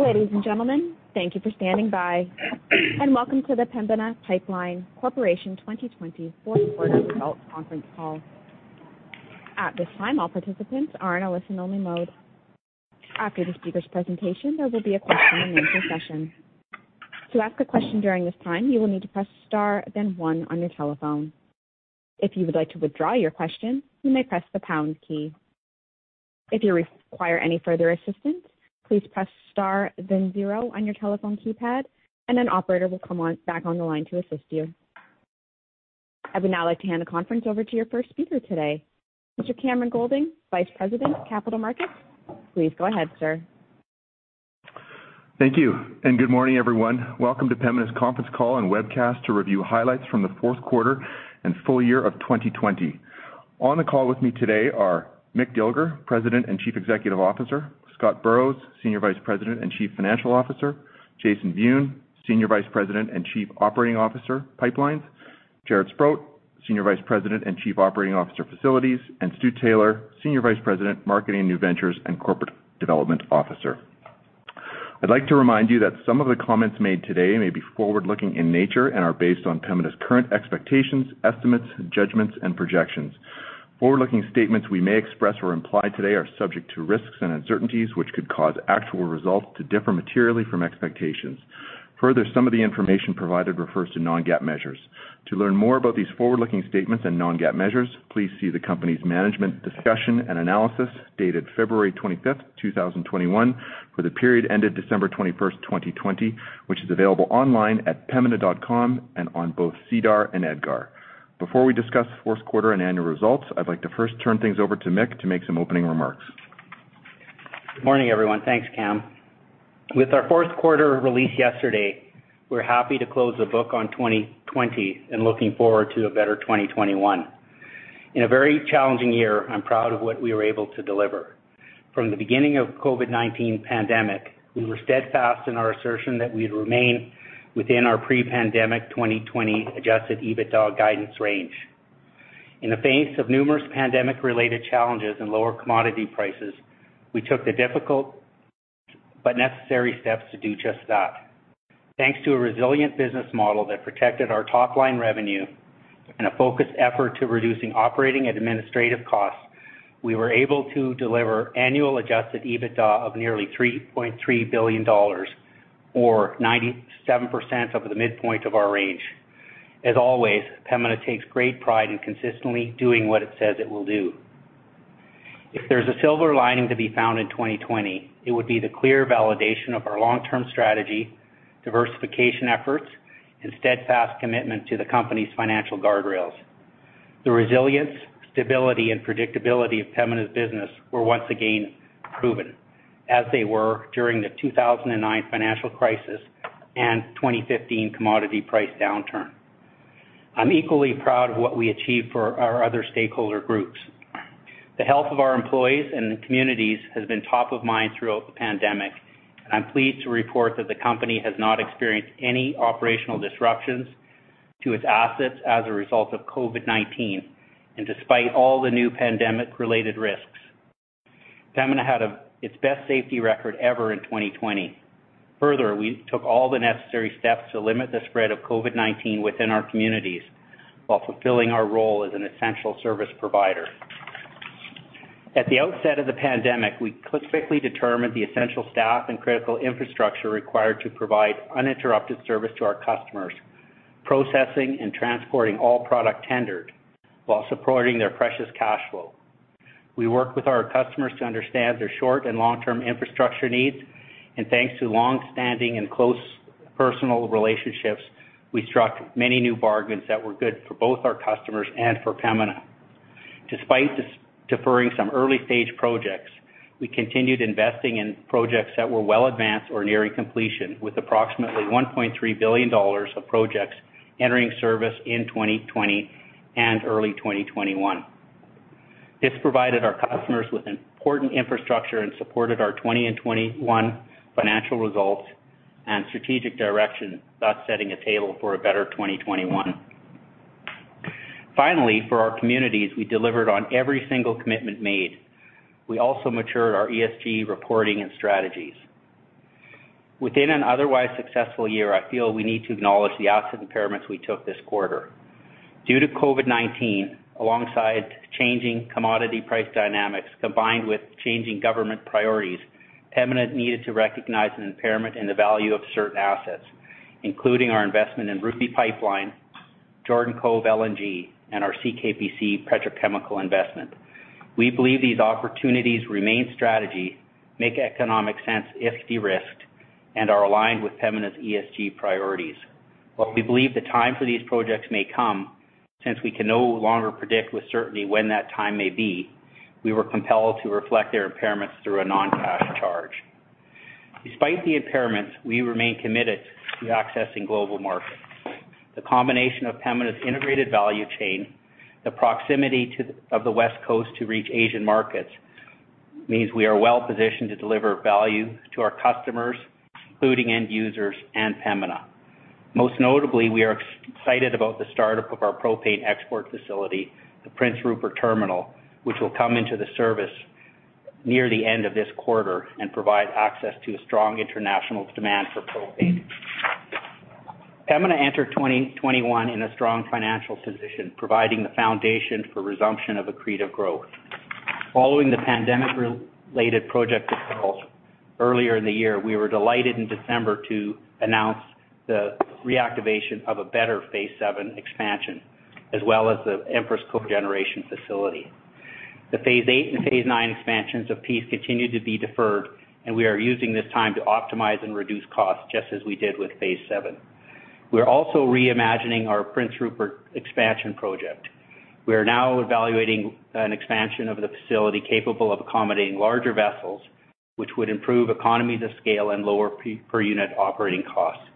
Ladies and gentlemen, thank you for standing by, and welcome to the Pembina Pipeline Corporation 2020 Q4 Conference Call. At this time, all participants are in listen-only mode. After the speaker's presentation, there will be a question-and-answer session. To ask a question during this time, you will need to press star, then one on your telephone. If you would like to withdraw your question, you may press the pound key. If you require any further assistance, please press star, then zero on your telephone keypad, and an operator will come on back on the line to assist you. I would now like to hand the conference over to your first speaker today, Mr. Cameron Goldade, Vice President, Capital Markets. Please go ahead, sir. Thank you, good morning, everyone. Welcome to Pembina's Conference Call and Webcast to review highlights from the Q4 and full year of 2020. On the call with me today are Mick Dilger, President and Chief Executive Officer, Scott Burrows, Senior Vice President and Chief Financial Officer, Jason Wiun, Senior Vice President and Chief Operating Officer, Pipelines, Jaret Sprott, Senior Vice President and Chief Operating Officer, Facilities, and Stu Taylor, Senior Vice President, Marketing, New Ventures and Corporate Development Officer. I'd like to remind you that some of the comments made today may be forward-looking in nature and are based on Pembina's current expectations, estimates, judgments, and projections. Forward-looking statements we may express or imply today are subject to risks and uncertainties which could cause actual results to differ materially from expectations. Further, some of the information provided refers to non-GAAP measures. To learn more about these forward-looking statements and non-GAAP measures, please see the company's management discussion and analysis dated February 25th, 2021, for the period ended December 21st, 2020, which is available online at pembina.com and on both SEDAR and EDGAR. Before we discuss Q4 and annual results, I'd like to first turn things over to Mick to make some opening remarks. Morning, everyone. Thanks, Cam. With our Q4 release yesterday, we're happy to close the book on 2020 and looking forward to a better 2021. In a very challenging year, I'm proud of what we were able to deliver. From the beginning of COVID-19 pandemic, we were steadfast in our assertion that we'd remain within our pre-pandemic 2020 Adjusted EBITDA guidance range. In the face of numerous pandemic-related challenges and lower commodity prices, we took the difficult but necessary steps to do just that. Thanks to a resilient business model that protected our top-line revenue and a focused effort to reducing operating and administrative costs, we were able to deliver annual Adjusted EBITDA of nearly 3.3 billion dollars, or 97% over the midpoint of our range. As always, Pembina takes great pride in consistently doing what it says it will do. If there's a silver lining to be found in 2020, it would be the clear validation of our long-term strategy, diversification efforts, and steadfast commitment to the company's financial guardrails. The resilience, stability, and predictability of Pembina's business were once again proven, as they were during the 2009 financial crisis and 2015 commodity price downturn. I'm equally proud of what we achieved for our other stakeholder groups. The health of our employees and the communities has been top of mind throughout the pandemic. I'm pleased to report that the company has not experienced any operational disruptions to its assets as a result of COVID-19, and despite all the new pandemic-related risks. Pembina had its best safety record ever in 2020. Further, we took all the necessary steps to limit the spread of COVID-19 within our communities while fulfilling our role as an essential service provider. At the outset of the pandemic, we quickly determined the essential staff and critical infrastructure required to provide uninterrupted service to our customers, processing and transporting all product tendered while supporting their precious cash flow. We worked with our customers to understand their short- and long-term infrastructure needs, and thanks to longstanding and close personal relationships, we struck many new bargains that were good for both our customers and for Pembina. Despite deferring some early-stage projects, we continued investing in projects that were well advanced or nearing completion with approximately 1.3 billion dollars of projects entering service in 2020 and early 2021. This provided our customers with important infrastructure and supported our 2020 and 2021 financial results and strategic direction, thus setting a table for a better 2021. Finally, for our communities, we delivered on every single commitment made. We also matured our ESG reporting and strategies. Within an otherwise successful year, I feel we need to acknowledge the asset impairments we took this quarter. Due to COVID-19, alongside changing commodity price dynamics, combined with changing government priorities, Pembina needed to recognize an impairment in the value of certain assets, including our investment in Ruby Pipeline, Jordan Cove LNG, and our CKPC Petrochemical investment. We believe these opportunities remain strategy, make economic sense if de-risked, and are aligned with Pembina's ESG priorities. While we believe the time for these projects may come, since we can no longer predict with certainty when that time may be, we were compelled to reflect their impairments through a non-cash charge. Despite the impairments, we remain committed to accessing global markets. The combination of Pembina's integrated value chain, the proximity of the West Coast to reach Asian markets means we are well-positioned to deliver value to our customers, including end users and Pembina. Most notably, we are excited about the startup of our propane export facility, the Prince Rupert Terminal, which will come into the service near the end of this quarter and provide access to a strong international demand for propane. Pembina entered 2021 in a strong financial position, providing the foundation for resumption of accretive growth. Following the pandemic-related project defaults earlier in the year, we were delighted in December to announce the reactivation of a better phase VII expansion, as well as the Empress Cogeneration facility. The phase VIII and phase IX expansions of Peace Pipeline continue to be deferred. We are using this time to optimize and reduce costs just as we did with phase VII. We are also reimagining our Prince Rupert expansion project. We are now evaluating an expansion of the facility capable of accommodating larger vessels, which would improve economies of scale and lower per-unit operating costs.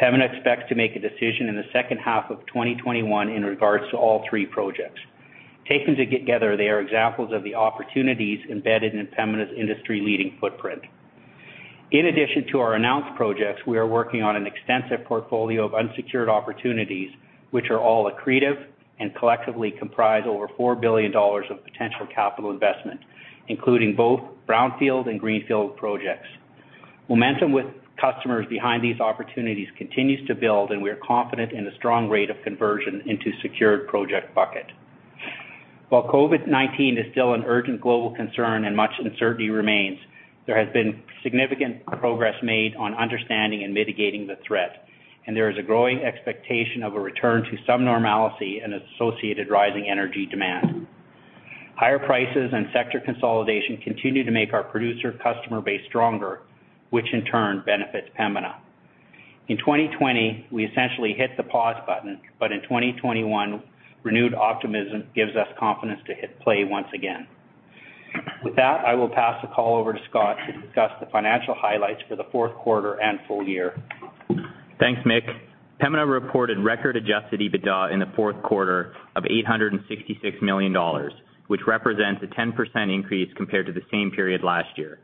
Pembina expects to make a decision in the second half of 2021 in regards to all three projects. Taken together, they are examples of the opportunities embedded in Pembina's industry-leading footprint. In addition to our announced projects, we are working on an extensive portfolio of unsecured opportunities, which are all accretive and collectively comprise over 4 billion dollars of potential capital investment, including both brownfield and greenfield projects. Momentum with customers behind these opportunities continues to build, and we are confident in a strong rate of conversion into secured project bucket. While COVID-19 is still an urgent global concern and much uncertainty remains, there has been significant progress made on understanding and mitigating the threat, and there is a growing expectation of a return to some normalcy and associated rising energy demand. Higher prices and sector consolidation continue to make our producer customer base stronger, which in turn benefits Pembina. In 2020, we essentially hit the pause button, but in 2021, renewed optimism gives us confidence to hit play once again. With that, I will pass the call over to Scott to discuss the financial highlights for the Q4 and full year. Thanks, Mick. Pembina reported record Adjusted EBITDA in the Q4 of 866 million dollars, which represents a 10% increase compared to the same period last year.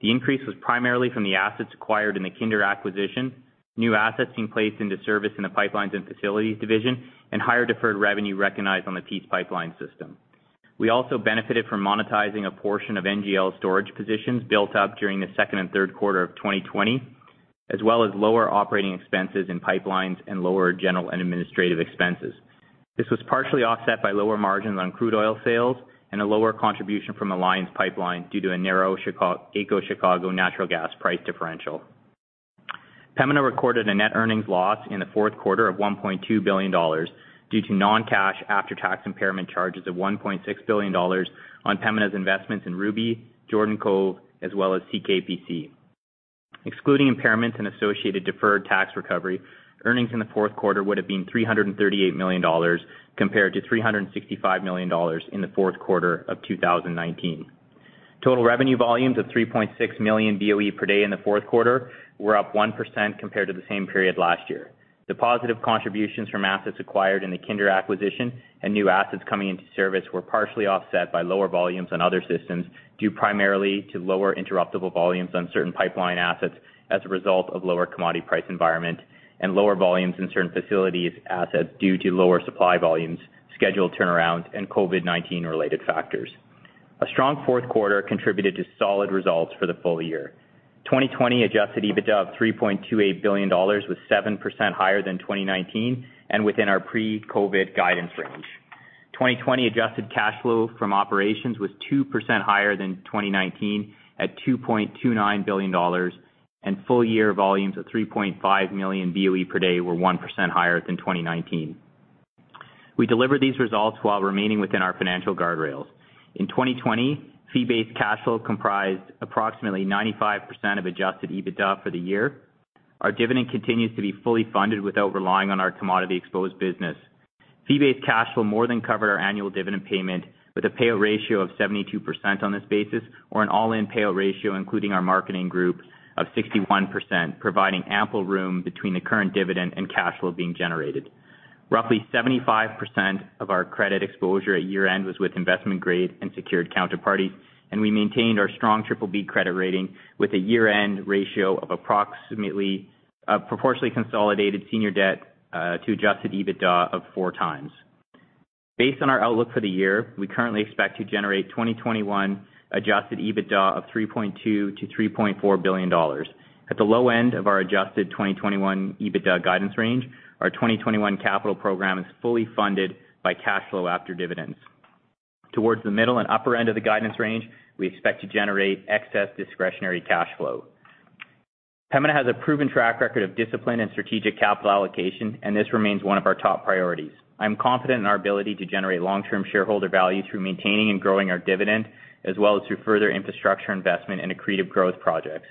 The increase was primarily from the assets acquired in the Kinder acquisition, new assets being placed into service in the pipelines and facilities division, and higher deferred revenue recognized on the Peace Pipeline System. We also benefited from monetizing a portion of NGLs storage positions built up during the Q2 and Q3 of 2020, as well as lower operating expenses in pipelines and lower general and administrative expenses. This was partially offset by lower margins on crude oil sales and a lower contribution from Alliance Pipeline due to a narrow AECO Chicago natural gas price differential. Pembina recorded a net earnings loss in the Q4 of 1.2 billion dollars due to non-cash after-tax impairment charges of 1.6 billion dollars on Pembina's investments in Ruby, Jordan Cove, as well as CKPC. Excluding impairments and associated deferred tax recovery, earnings in the Q4 would've been 338 million dollars compared to 365 million dollars in the Q4 of 2019. Total revenue volumes of 3.6 million BOE per day in the Q4 were up 1% compared to the same period last year. The positive contributions from assets acquired in the Kinder acquisition and new assets coming into service were partially offset by lower volumes on other systems, due primarily to lower interruptible volumes on certain pipeline assets as a result of lower commodity price environment and lower volumes in certain facilities assets due to lower supply volumes, scheduled turnarounds, and COVID-19-related factors. A strong Q4 contributed to solid results for the full year. 2020 Adjusted EBITDA of CAD 3.28 billion was 7% higher than 2019 and within our pre-COVID guidance range. 2020 adjusted cash flow from operations was 2% higher than 2019 at 2.29 billion dollars and full-year volumes of 3.5 million BOE per day were 1% higher than 2019. We delivered these results while remaining within our financial guardrails. In 2020, fee-based cash flow comprised approximately 95% of Adjusted EBITDA for the year. Our dividend continues to be fully funded without relying on our commodity-exposed business. Fee-based cash will more than cover our annual dividend payment with a payout ratio of 72% on this basis, or an all-in payout ratio, including our marketing group, of 61%, providing ample room between the current dividend and cash flow being generated. Roughly 75% of our credit exposure at year-end was with investment-grade and secured counterparty, and we maintained our strong BBB credit rating with a year-end ratio of approximately a proportionately consolidated senior debt to Adjusted EBITDA of 4x. Based on our outlook for the year, we currently expect to generate 2021 Adjusted EBITDA of 3.2 billion-3.4 billion dollars. At the low end of our adjusted 2021 EBITDA guidance range, our 2021 capital program is fully funded by cash flow after dividends. Towards the middle and upper end of the guidance range, we expect to generate excess discretionary cash flow. Pembina has a proven track record of discipline and strategic capital allocation, this remains one of our top priorities. I'm confident in our ability to generate long-term shareholder value through maintaining and growing our dividend, as well as through further infrastructure investment and accretive growth projects.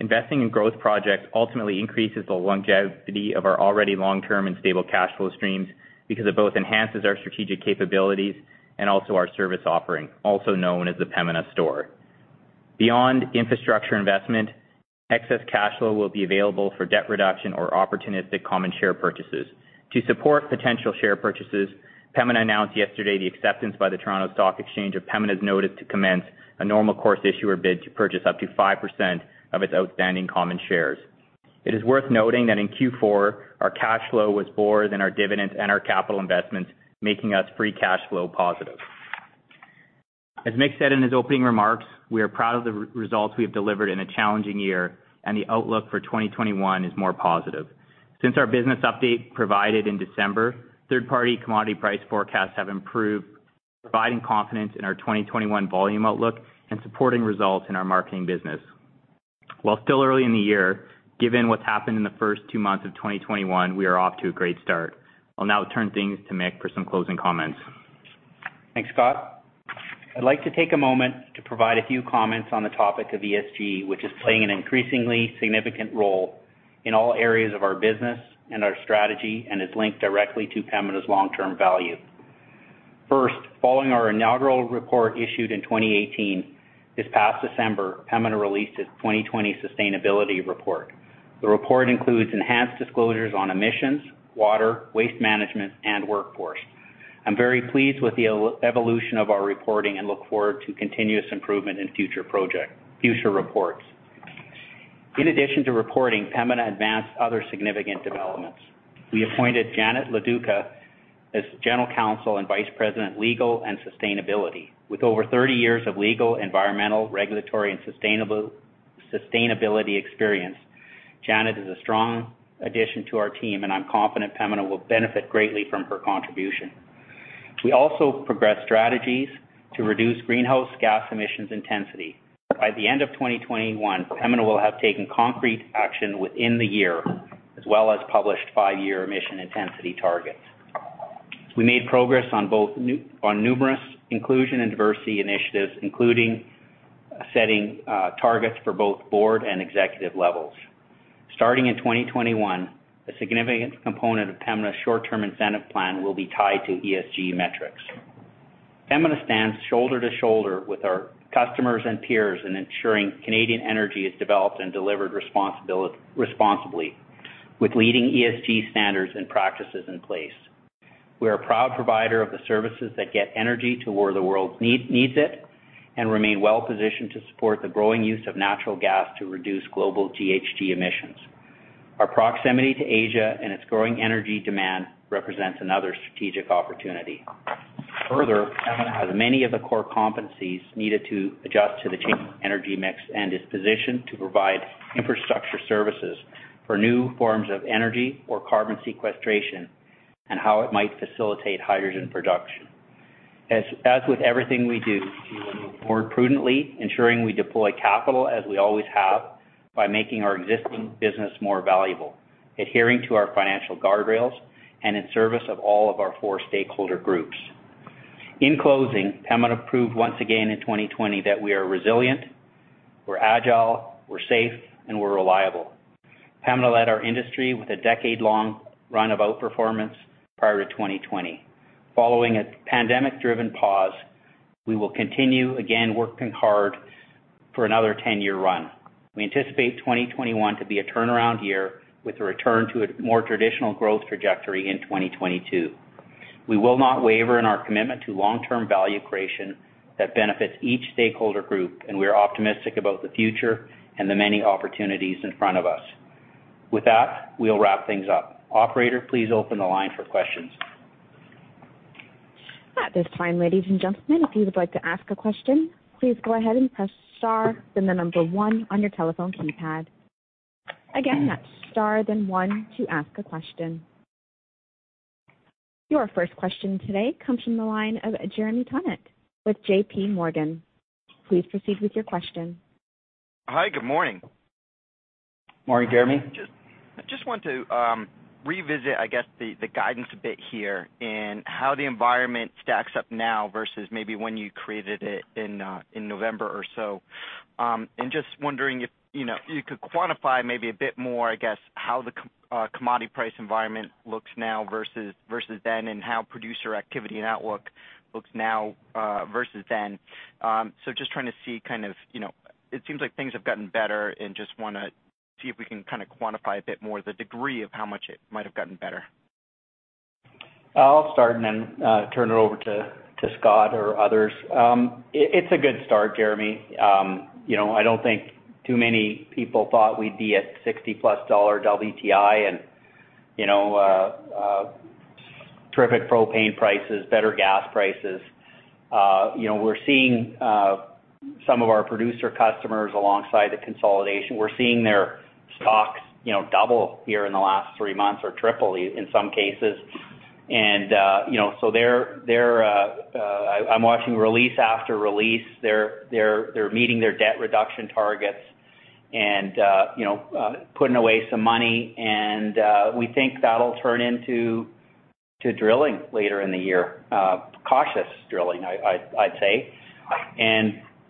Investing in growth projects ultimately increases the longevity of our already long-term and stable cash flow streams because it both enhances our strategic capabilities and also our service offering, also known as the Pembina Store. Beyond infrastructure investment, excess cash flow will be available for debt reduction or opportunistic common share purchases. To support potential share purchases, Pembina announced yesterday the acceptance by the Toronto Stock Exchange of Pembina's notice to commence a Normal Course Issuer Bid to purchase up to 5% of its outstanding common shares. It is worth noting that in Q4, our cash flow was more than our dividends and our capital investments, making us free cash flow positive. As Mick said in his opening remarks, we are proud of the results we have delivered in a challenging year, and the outlook for 2021 is more positive. Since our business update provided in December, third-party commodity price forecasts have improved, providing confidence in our 2021 volume outlook and supporting results in our marketing business. While still early in the year, given what's happened in the first two months of 2021, we are off to a great start. I'll now turn things to Mick for some closing comments. Thanks, Scott. I'd like to take a moment to provide a few comments on the topic of ESG, which is playing an increasingly significant role in all areas of our business and our strategy, and is linked directly to Pembina's long-term value. First, following our inaugural report issued in 2018, this past December, Pembina released its 2020 sustainability report. The report includes enhanced disclosures on emissions, water, waste management, and workforce. I'm very pleased with the evolution of our reporting and look forward to continuous improvement in future reports. In addition to reporting, Pembina advanced other significant developments. We appointed Janet Loduca as General Counsel and Vice President, Legal and Sustainability. With over 30 years of legal, environmental, regulatory, and sustainability experience, Janet is a strong addition to our team, and I'm confident Pembina will benefit greatly from her contribution. We also progressed strategies to reduce greenhouse gas emissions intensity. By the end of 2021, Pembina will have taken concrete action within the year, as well as published five-year emission intensity targets. We made progress on numerous inclusion and diversity initiatives, including setting targets for both board and executive levels. Starting in 2021, a significant component of Pembina's short-term incentive plan will be tied to ESG metrics. Pembina stands shoulder to shoulder with our customers and peers in ensuring Canadian energy is developed and delivered responsibly with leading ESG standards and practices in place. We are a proud provider of the services that get energy to where the world needs it and remain well-positioned to support the growing use of natural gas to reduce global GHG emissions. Our proximity to Asia and its growing energy demand represents another strategic opportunity. Pembina has many of the core competencies needed to adjust to the changing energy mix and is positioned to provide infrastructure services for new forms of energy or carbon sequestration and how it might facilitate hydrogen production. As with everything we do, we will move forward prudently, ensuring we deploy capital as we always have by making our existing business more valuable, adhering to our financial guardrails, and in service of all of our four stakeholder groups. In closing, Pembina proved once again in 2020 that we are resilient, we're agile, we're safe, and we're reliable. Pembina led our industry with a decade-long run of outperformance prior to 2020. Following a pandemic-driven pause, we will continue again working hard for another 10-year run. We anticipate 2021 to be a turnaround year with a return to a more traditional growth trajectory in 2022. We will not waver in our commitment to long-term value creation that benefits each stakeholder group, and we are optimistic about the future and the many opportunities in front of us. With that, we'll wrap things up. Operator, please open the line for questions. At this time, ladies and gentlemen, if you would like to ask a question, please go ahead and press star, then the number one on your telephone keypad. Again, that's star, then one to ask a question. Your first question today comes from the line of Jeremy Tonet with JPMorgan. Please proceed with your question. Hi, good morning. Morning, Jeremy. Just wanted to revisit, I guess, the guidance a bit here and how the environment stacks up now versus maybe when you created it in November or so. Just wondering if you could quantify maybe a bit more, I guess, how the commodity price environment looks now versus then and how producer activity and outlook looks now, versus then. Just trying to see It seems like things have gotten better and just want to see if we can quantify a bit more the degree of how much it might have gotten better. I'll start and then turn it over to Scott or others. It's a good start, Jeremy. I don't think too many people thought we'd be at 60+ dollar WTI and terrific propane prices, better gas prices. We're seeing some of our producer customers alongside the consolidation. We're seeing their stocks double here in the last three months, or triple in some cases. I'm watching release after release. They're meeting their debt reduction targets and putting away some money. We think that'll turn into drilling later in the year. Cautious drilling, I'd say.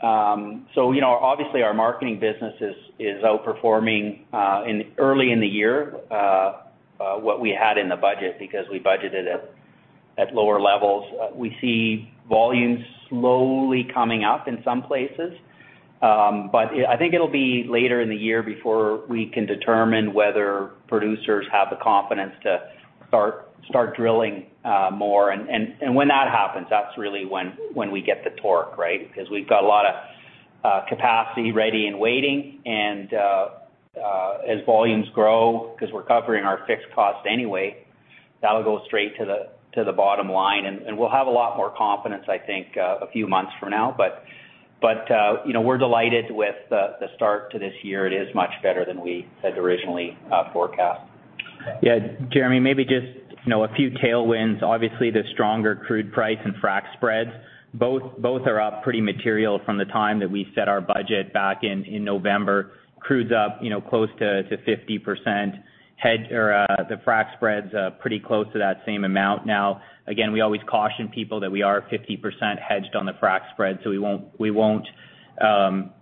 Obviously, our marketing business is outperforming early in the year what we had in the budget because we budgeted at lower levels. We see volumes slowly coming up in some places. I think it'll be later in the year before we can determine whether producers have the confidence to start drilling more. When that happens, that's really when we get the torque, right? Because we've got a lot of capacity ready and waiting. As volumes grow, because we're covering our fixed costs anyway. That'll go straight to the bottom line, and we'll have a lot more confidence, I think, a few months from now. We're delighted with the start to this year. It is much better than we had originally forecast. Jeremy, maybe just a few tailwinds. Obviously, the stronger crude price and frac spread, both are up pretty material from the time that we set our budget back in November. Crude's up close to 50%. The frac spread's pretty close to that same amount. Now, again, we always caution people that we are 50% hedged on the frac spread, so we won't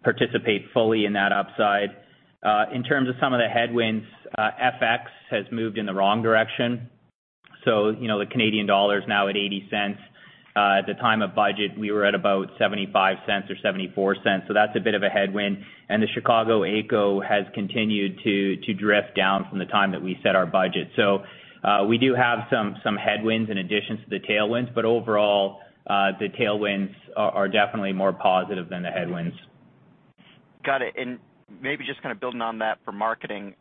participate fully in that upside. In terms of some of the headwinds, FX has moved in the wrong direction, so the Canadian dollar is now at 0.80. At the time of budget, we were at about 0.75 or 0.74, so that's a bit of a headwind. The Chicago AECO has continued to drift down from the time that we set our budget. We do have some headwinds in addition to the tailwinds. Overall, the tailwinds are definitely more positive than the headwinds. Got it. Maybe just kind of building on that for marketing,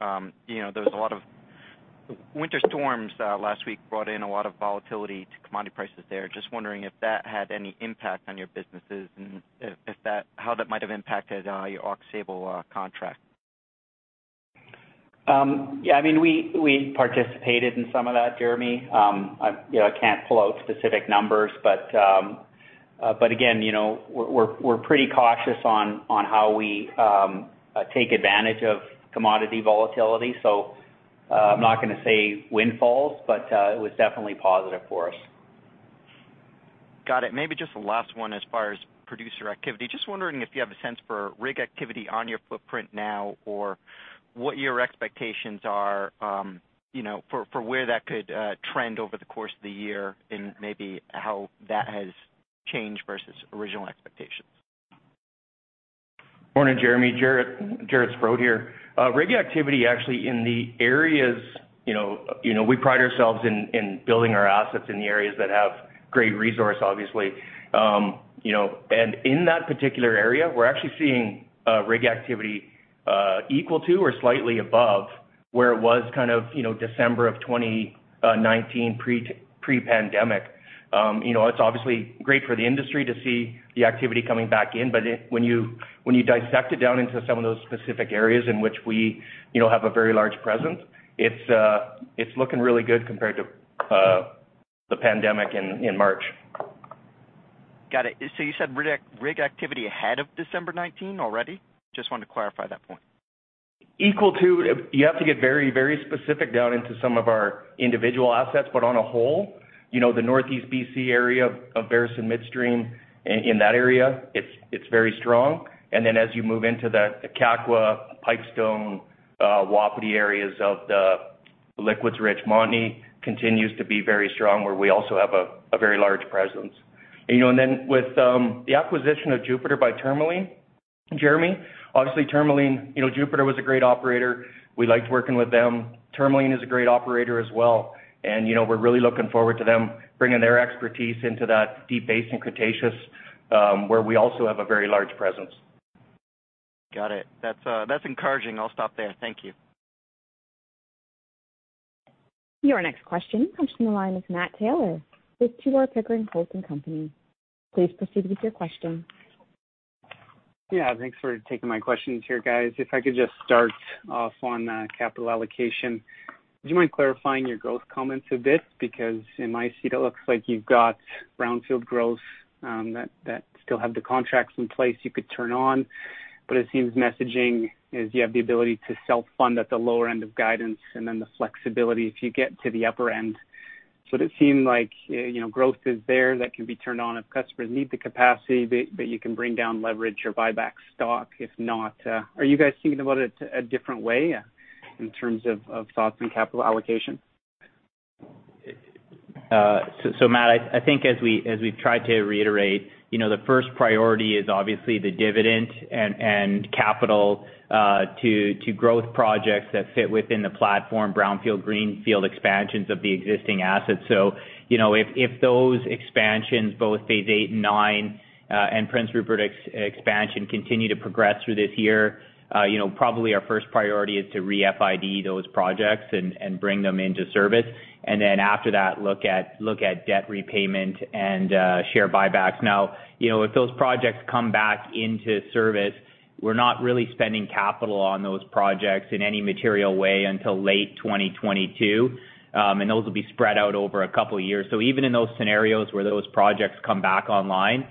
winter storms last week brought in a lot of volatility to commodity prices there. Just wondering if that had any impact on your businesses and how that might have impacted your Aux Sable contract. Yeah, we participated in some of that, Jeremy. I can't pull out specific numbers, but again, we're pretty cautious on how we take advantage of commodity volatility. I'm not going to say windfalls, but it was definitely positive for us. Got it. Just the last one as far as producer activity. Just wondering if you have a sense for rig activity on your footprint now, or what your expectations are for where that could trend over the course of the year and how that has changed versus original expectations. Morning, Jeremy. Jaret Sprott here. Rig activity, actually, we pride ourselves in building our assets in the areas that have great resource, obviously. In that particular area, we're actually seeing rig activity equal to or slightly above where it was December of 2019, pre-pandemic. It's obviously great for the industry to see the activity coming back in, but when you dissect it down into some of those specific areas in which we have a very large presence, it's looking really good compared to the pandemic in March. Got it. You said rig activity ahead of December 2019 already? Just wanted to clarify that point. Equal to. You have to get very specific down into some of our individual assets. On the whole, the Northeast B.C. area of Veresen Midstream, in that area, it's very strong. Then as you move into the Kakwa, Pipestone, Wapiti areas of the liquids-rich Montney continues to be very strong, where we also have a very large presence. Then with the acquisition of Jupiter by Tourmaline, Jeremy, obviously, Jupiter was a great operator. We liked working with them. Tourmaline is a great operator as well, and we're really looking forward to them bringing their expertise into that deep basin Cretaceous, where we also have a very large presence. Got it. That's encouraging. I'll stop there. Thank you. Your next question comes from the line of Matt Taylor with Tudor, Pickering, Holt & Co. Please proceed with your question. Yeah, thanks for taking my questions here, guys. If I could just start off on capital allocation. Would you mind clarifying your growth comments a bit? In my seat, it looks like you've got brownfield growth that still have the contracts in place you could turn on, but it seems messaging is you have the ability to self-fund at the lower end of guidance and then the flexibility if you get to the upper end. Does it seem like growth is there that can be turned on if customers need the capacity, but you can bring down leverage or buy back stock if not? Are you guys thinking about it a different way in terms of thoughts on capital allocation? Matt, I think as we've tried to reiterate, the first priority is obviously the dividend and capital to growth projects that fit within the platform, brownfield, greenfield expansions of the existing assets. If those expansions, both phase VIII and phase IX, and Prince Rupert expansion, continue to progress through this year, probably our first priority is to re-FID those projects and bring them into service. Then after that, look at debt repayment and share buybacks. If those projects come back into service, we're not really spending capital on those projects in any material way until late 2022, and those will be spread out over a couple of years. Even in those scenarios where those projects come back online,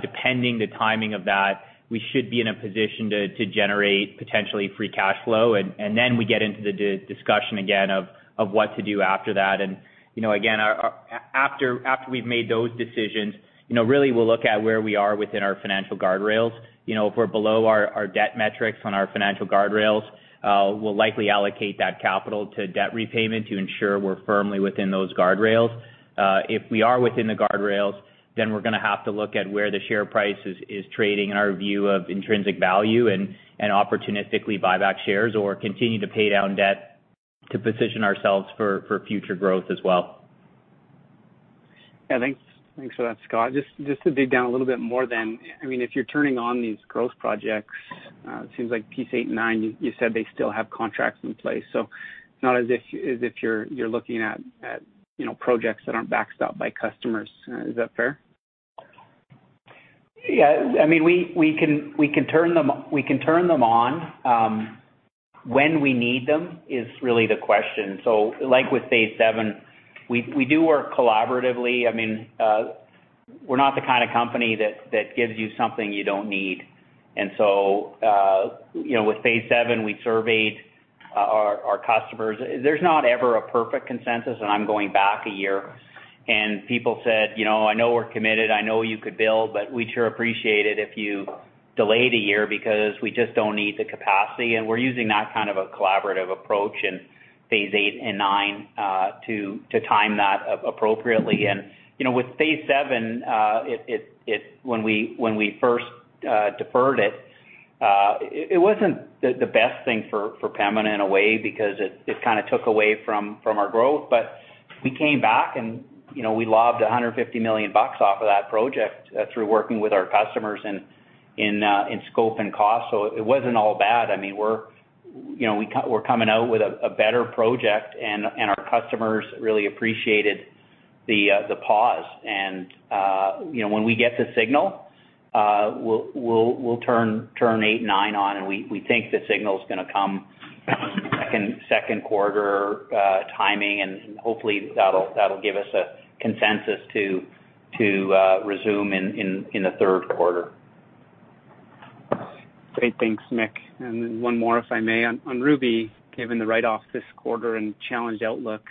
depending the timing of that, we should be in a position to generate potentially free cash flow. We get into the discussion again of what to do after that. Again, after we've made those decisions, really, we'll look at where we are within our financial guardrails. If we're below our debt metrics on our financial guardrails, we'll likely allocate that capital to debt repayment to ensure we're firmly within those guardrails. If we are within the guardrails, then we're going to have to look at where the share price is trading in our view of intrinsic value and opportunistically buy back shares or continue to pay down debt to position ourselves for future growth as well. Thanks for that, Scott. Just to dig down a little bit more then, if you're turning on these growth projects, it seems like phase VIII and phase IX, you said they still have contracts in place, so it's not as if you're looking at projects that aren't backstopped by customers. Is that fair? Yeah. We can turn them on. When we need them is really the question. Like with phase VII, we do work collaboratively. We're not the kind of company that gives you something you don't need. With phase VII, we surveyed our customers. There's not ever a perfect consensus, and I'm going back a year, and people said, "I know we're committed. I know you could build, but we'd sure appreciate it if you delayed a year because we just don't need the capacity." We're using that kind of a collaborative approach in phase VIII and phase IX, to time that appropriately. With phase VII, when we first deferred it wasn't the best thing for Pembina in a way because it took away from our growth. We came back and we lobbed 150 million bucks off of that project through working with our customers in scope and cost. It wasn't all bad. We're coming out with a better project. Our customers really appreciated the pause. When we get the signal, we'll turn phase VIII and phase IX on. We think the signal's going to come Q2 timing. Hopefully, that'll give us a consensus to resume in the Q3. Great. Thanks, Mick. One more, if I may. On Ruby, given the write-off this quarter and challenged outlook,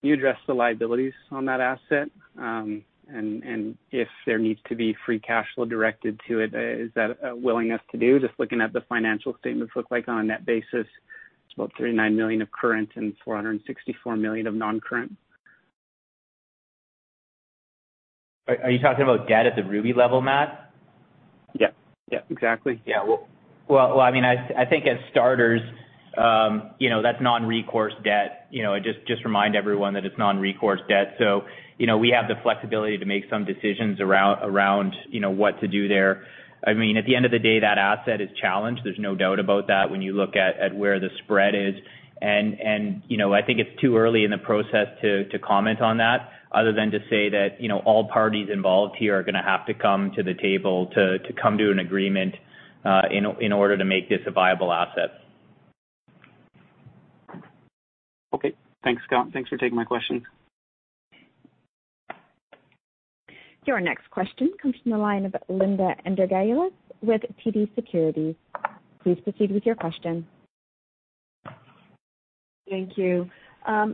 can you address the liabilities on that asset? If there needs to be free cash flow directed to it, is that a willingness to do? Just looking at the financial statements look like on a net basis, it's about 39 million of current and 464 million of non-current. Are you talking about debt at the Ruby level, Matt? Yeah. Exactly. Yeah. Well, I think as starters, that's non-recourse debt. Just remind everyone that it's non-recourse debt, we have the flexibility to make some decisions around what to do there. At the end of the day, that asset is challenged. There's no doubt about that when you look at where the spread is. I think it's too early in the process to comment on that other than to say that all parties involved here are going to have to come to the table to come to an agreement, in order to make this a viable asset. Okay. Thanks, Scott. Thanks for taking my questions. Your next question comes from the line of Linda Ezergailis with TD Securities. Please proceed with your question. Thank you.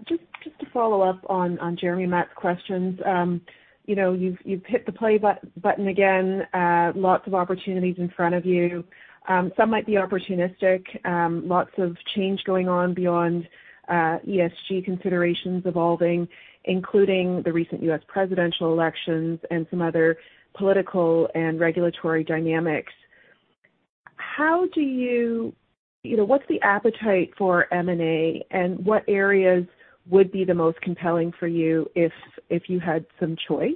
Just to follow up on Jeremy and Matt's questions. You've hit the play button again. Lots of opportunities in front of you. Some might be opportunistic. Lots of change going on beyond ESG considerations evolving, including the recent U.S. presidential elections and some other political and regulatory dynamics. What's the appetite for M&A, and what areas would be the most compelling for you if you had some choice?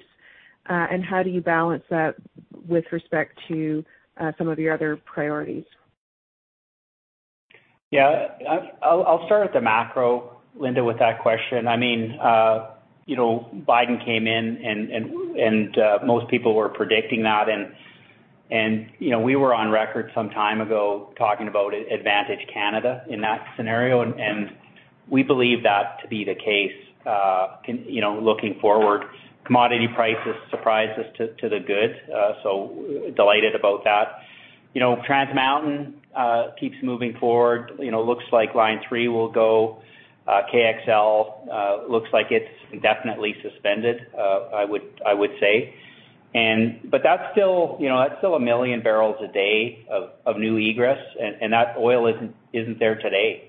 How do you balance that with respect to some of your other priorities? I'll start with the macro, Linda, with that question. Biden came in and most people were predicting that. We were on record some time ago talking about Advantage Canada in that scenario, and we believe that to be the case looking forward. Commodity prices surprised us to the good. Delighted about that. Trans Mountain keeps moving forward. Looks like Line 3 will go. KXL looks like it's indefinitely suspended, I would say. That's still a million barrels a day of new egress, and that oil isn't there today.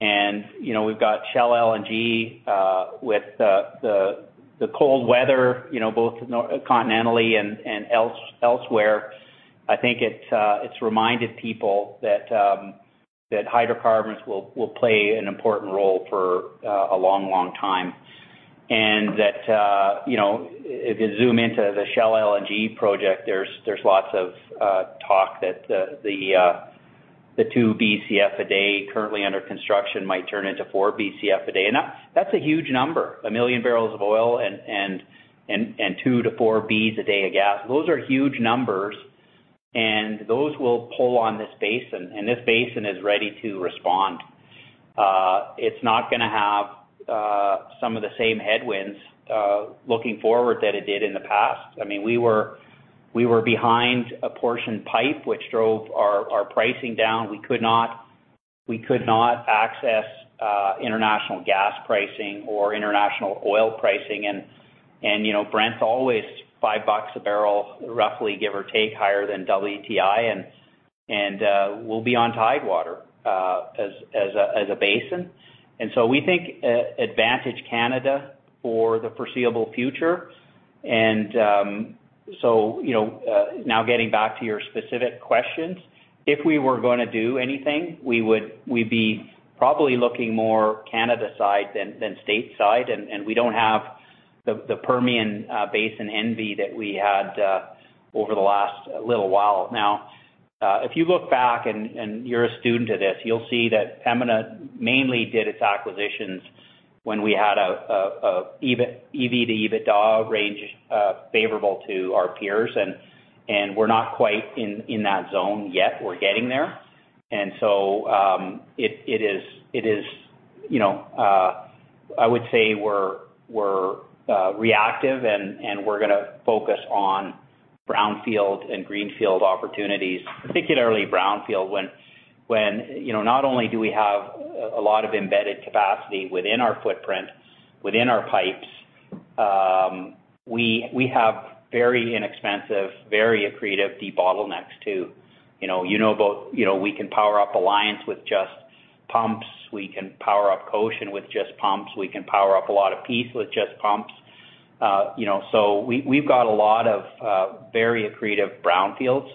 We've got Shell LNG, with the cold weather both continentally and elsewhere. I think it's reminded people that hydrocarbons will play an important role for a long, long time. If you zoom into the Shell LNG project, there's lots of talk that the two BCF a day currently under construction might turn into four BCF a day. That's a huge number. A million barrels of oil and two to four BCF a day of gas. Those are huge numbers and those will pull on this basin, and this basin is ready to respond. It's not going to have some of the same headwinds, looking forward, that it did in the past. We were behind apportioned pipe, which drove our pricing down. We could not access international gas pricing or international oil pricing and, Brent's always 5 bucks a barrel, roughly give or take, higher than WTI and, we'll be on Tidewater, as a basin. We think advantage Canada for the foreseeable future. Getting back to your specific questions, if we were going to do anything, we'd be probably looking more Canada side than state side, and we don't have the Permian Basin envy that we had over the last little while. If you look back, and you're a student of this, you'll see that Pembina mainly did its acquisitions when we had a EV to EBITDA range favorable to our peers, and we're not quite in that zone yet. We're getting there. I would say we're reactive and we're going to focus on brownfield and greenfield opportunities, particularly brownfield, when not only do we have a lot of embedded capacity within our footprint, within our pipes, we have very inexpensive, very accretive debottlenecks too. We can power up Alliance with just pumps. We can power up Cochin with just pumps. We can power up a lot of Peace with just pumps. We've got a lot of very accretive brownfields,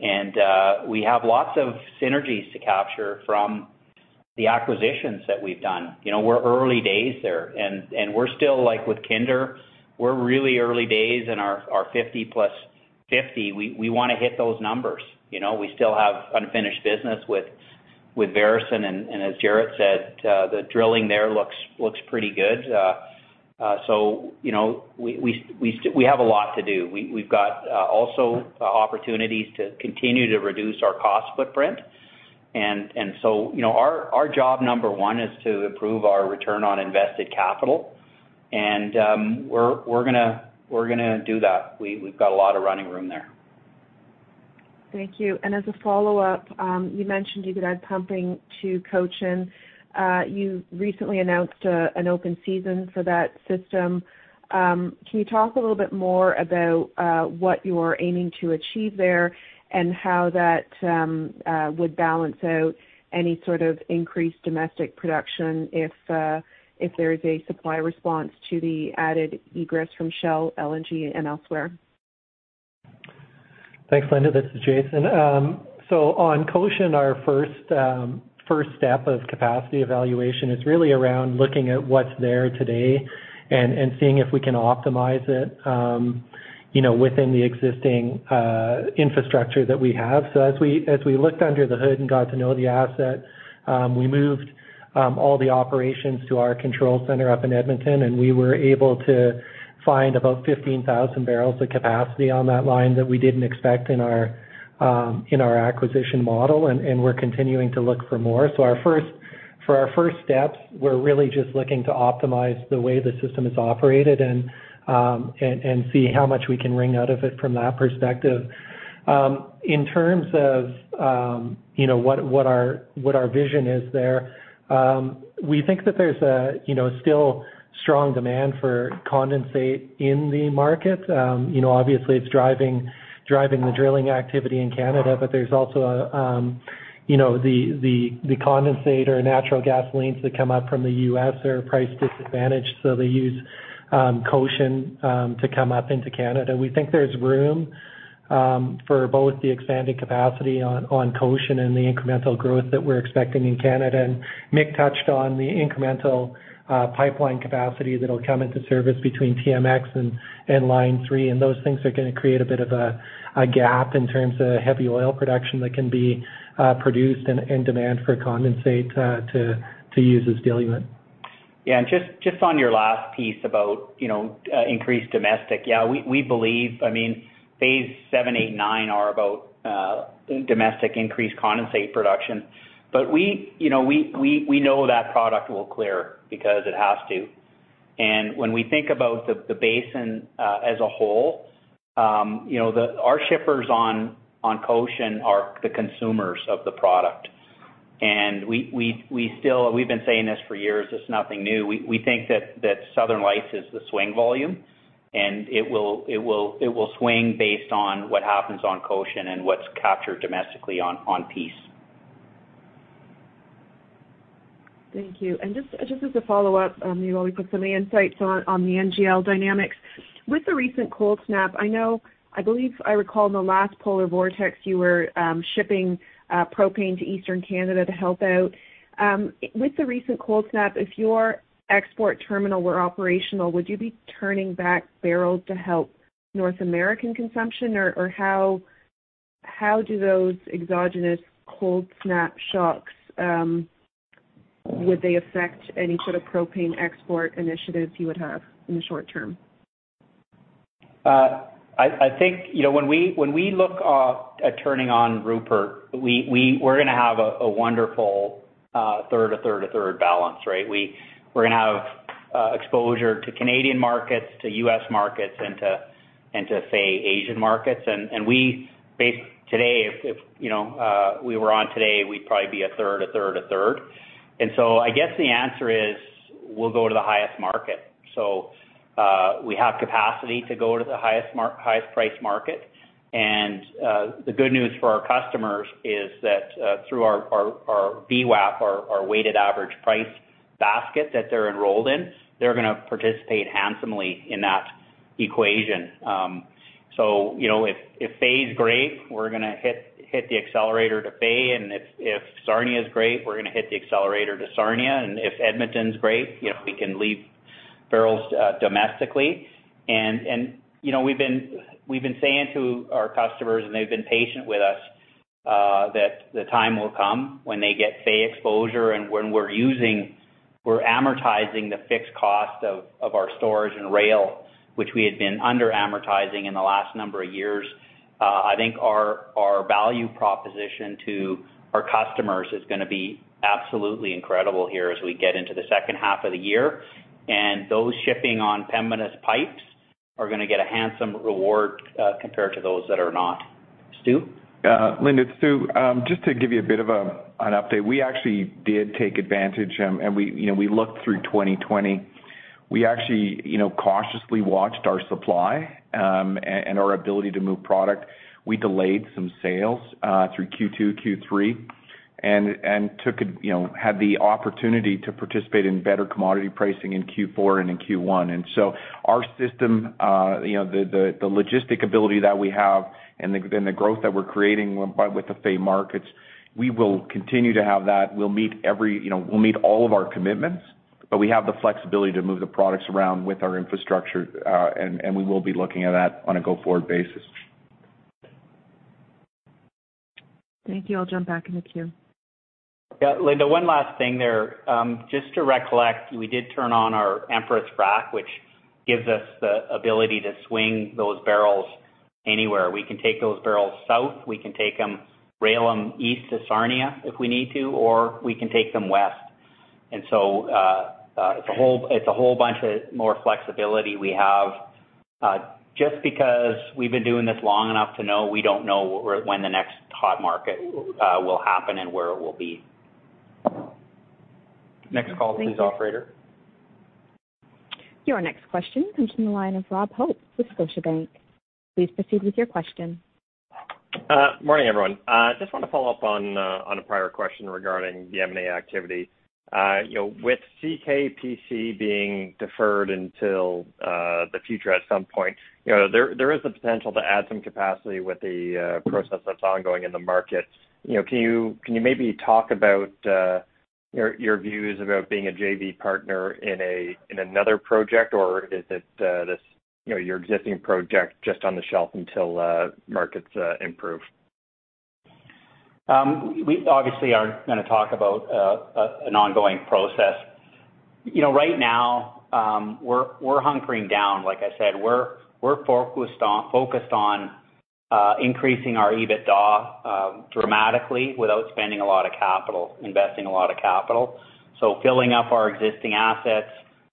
and we have lots of synergies to capture from the acquisitions that we've done. We're early days there, and we're still, like with Kinder, we're really early days in our 50+ 50. We want to hit those numbers. We still have unfinished business with Veresen, and as Jaret said, the drilling there looks pretty good. We have a lot to do. We've got also opportunities to continue to reduce our cost footprint. Our job number one is to improve our return on invested capital, and we're going to do that. We've got a lot of running room there. Thank you. As a follow-up, you mentioned you've been adding pumping to Cochin. You recently announced an open season for that system. Can you talk a little bit more about what you're aiming to achieve there and how that would balance out any sort of increased domestic production if there is a supply response to the added egress from Shell LNG, and elsewhere? Thanks, Linda. This is Jason. On Cochin, our first step of capacity evaluation is really around looking at what's there today and seeing if we can optimize it within the existing infrastructure that we have. As we looked under the hood and got to know the asset, we moved all the operations to our control center up in Edmonton, and we were able to find about 15,000 barrels of capacity on that line that we didn't expect in our acquisition model, and we're continuing to look for more. For our first steps, we're really just looking to optimize the way the system is operated and see how much we can wring out of it from that perspective. In terms of what our vision is there, we think that there's a still strong demand for condensate in the market. Obviously, it's driving the drilling activity in Canada, but there's also the condensate or natural gas lanes that come up from the U.S. that are price-disadvantaged, so they use Cochin to come up into Canada. We think there's room for both the expanded capacity on Cochin and the incremental growth that we're expecting in Canada. Mick touched on the incremental pipeline capacity that'll come into service between TMX and Line 3, and those things are going to create a bit of a gap in terms of heavy oil production that can be produced and demand for condensate to use as diluent. Just on your last piece about increased domestic, we believe phase VII, phase VIII, and phase IX are about domestic increased condensate production. We know that product will clear because it has to. When we think about the basin as a whole, our shippers on Cochin are the consumers of the product. We've been saying this for years, it is nothing new. We think that Southern Lights is the swing volume, and it will swing based on what happens on Cochin and what is captured domestically on Peace. Thank you. Just as a follow-up, you've already put some insights on the NGL dynamics. With the recent cold snap, I believe I recall in the last polar vortex, you were shipping propane to Eastern Canada to help out. With the recent cold snap, if your export terminal were operational, would you be turning back barrels to help North American consumption? How do those exogenous cold snap shocks, would they affect any sort of propane export initiatives you would have in the short term? When we look at turning on Rupert, we're going to have a wonderful third, a third, a third balance, right? We're going to have exposure to Canadian markets, to US markets, and to, say, Asian markets. If we were on today, we'd probably be a third, a third, a third. I guess the answer is we'll go to the highest market. We have capacity to go to the highest price market. The good news for our customers is that through our BWAP, our weighted average price basket that they're enrolled in, they're going to participate handsomely in that equation. If FEI is great, we're going to hit the accelerator to FEI. If Sarnia is great, we're going to hit the accelerator to Sarnia. If Edmonton's great, we can leave barrels domestically. We've been saying to our customers, and they've been patient with us, that the time will come when they get FEI exposure and when we're using, we're amortizing the fixed cost of our storage and rail, which we had been under-amortizing in the last number of years. I think our value proposition to our customers is going to be absolutely incredible here as we get into the second half of the year. Those shipping on Pembina's pipes are going to get a handsome reward, compared to those that are not. Stu? Linda, it's Stu. Just to give you a bit of an update. We actually did take advantage. We looked through 2020. We actually cautiously watched our supply and our ability to move product. We delayed some sales through Q2, Q3, had the opportunity to participate in better commodity pricing in Q4 and in Q1. Our system, the logistic ability that we have and the growth that we're creating with the FEI markets, we will continue to have that. We'll meet all of our commitments. We have the flexibility to move the products around with our infrastructure. We will be looking at that on a go-forward basis. Thank you. I'll jump back in the queue. Yeah, Linda, one last thing there. Just to recollect, we did turn on our Empress rack, which gives us the ability to swing those barrels anywhere. We can take those barrels south, we can rail them east to Sarnia if we need to, or we can take them west. It's a whole bunch of more flexibility we have, just because we've been doing this long enough to know we don't know when the next hot market will happen and where it will be. Next call, please, operator. Your next question comes from the line of Rob Hope with Scotiabank. Please proceed with your question. Morning, everyone. Just want to follow up on a prior question regarding the M&A activity. With CKPC being deferred until the future at some point, there is the potential to add some capacity with the process that's ongoing in the market. Can you maybe talk about your views about being a JV partner in another project, or is it your existing project just on the shelf until markets improve? We obviously aren't going to talk about an ongoing process. Right now, we're hunkering down, like I said. We're focused on increasing our EBITDA dramatically without spending a lot of capital, investing a lot of capital. Filling up our existing assets,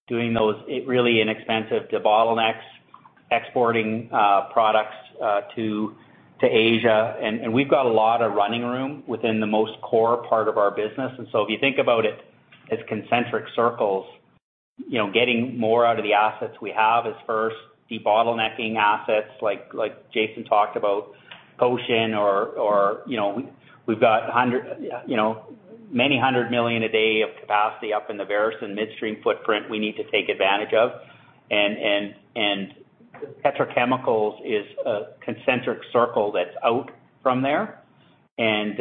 doing those really inexpensive debottlenecks, exporting products to Asia. We've got a lot of running room within the most core part of our business. If you think about it as concentric circles, getting more out of the assets we have is first debottlenecking assets, like Jason talked about, Cochin or we've got many 100 million a day of capacity up in the Veresen Midstream footprint we need to take advantage of. Petrochemicals is a concentric circle that's out from there, and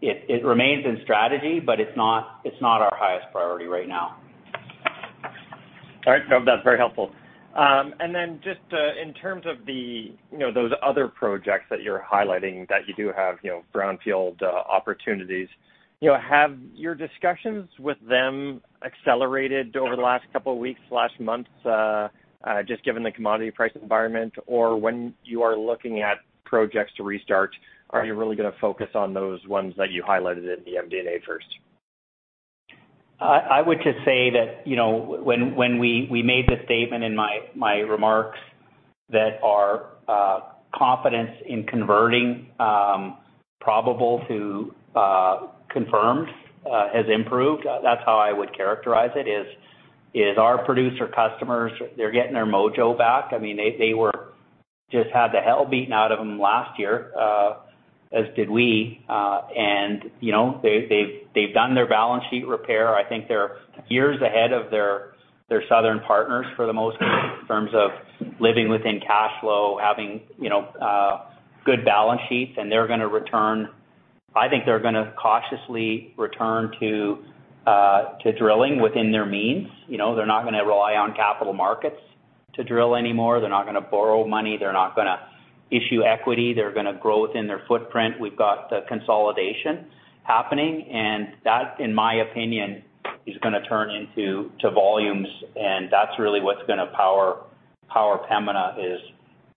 it remains in strategy, but it's not our highest priority right now. All right. No, that's very helpful. Just in terms of those other projects that you're highlighting, that you do have brownfield opportunities. Have your discussions with them accelerated over the last couple of weeks, last months, just given the commodity price environment? When you are looking at projects to restart, are you really going to focus on those ones that you highlighted in the M&A first? I would just say that when we made the statement in my remarks that our confidence in converting probable to confirmed has improved, that's how I would characterize it is, our producer customers, they're getting their mojo back. They just had the hell beaten out of them last year, as did we. They've done their balance sheet repair. I think they're years ahead of their southern partners for the most part in terms of living within cash flow, having good balance sheets, and they're going to return. I think they're going to cautiously return to drilling within their means. They're not going to rely on capital markets to drill anymore. They're not going to borrow money. They're not going to issue equity. They're going to grow within their footprint. We've got consolidation happening, and that, in my opinion, is going to turn into volumes, and that's really what's going to power Pembina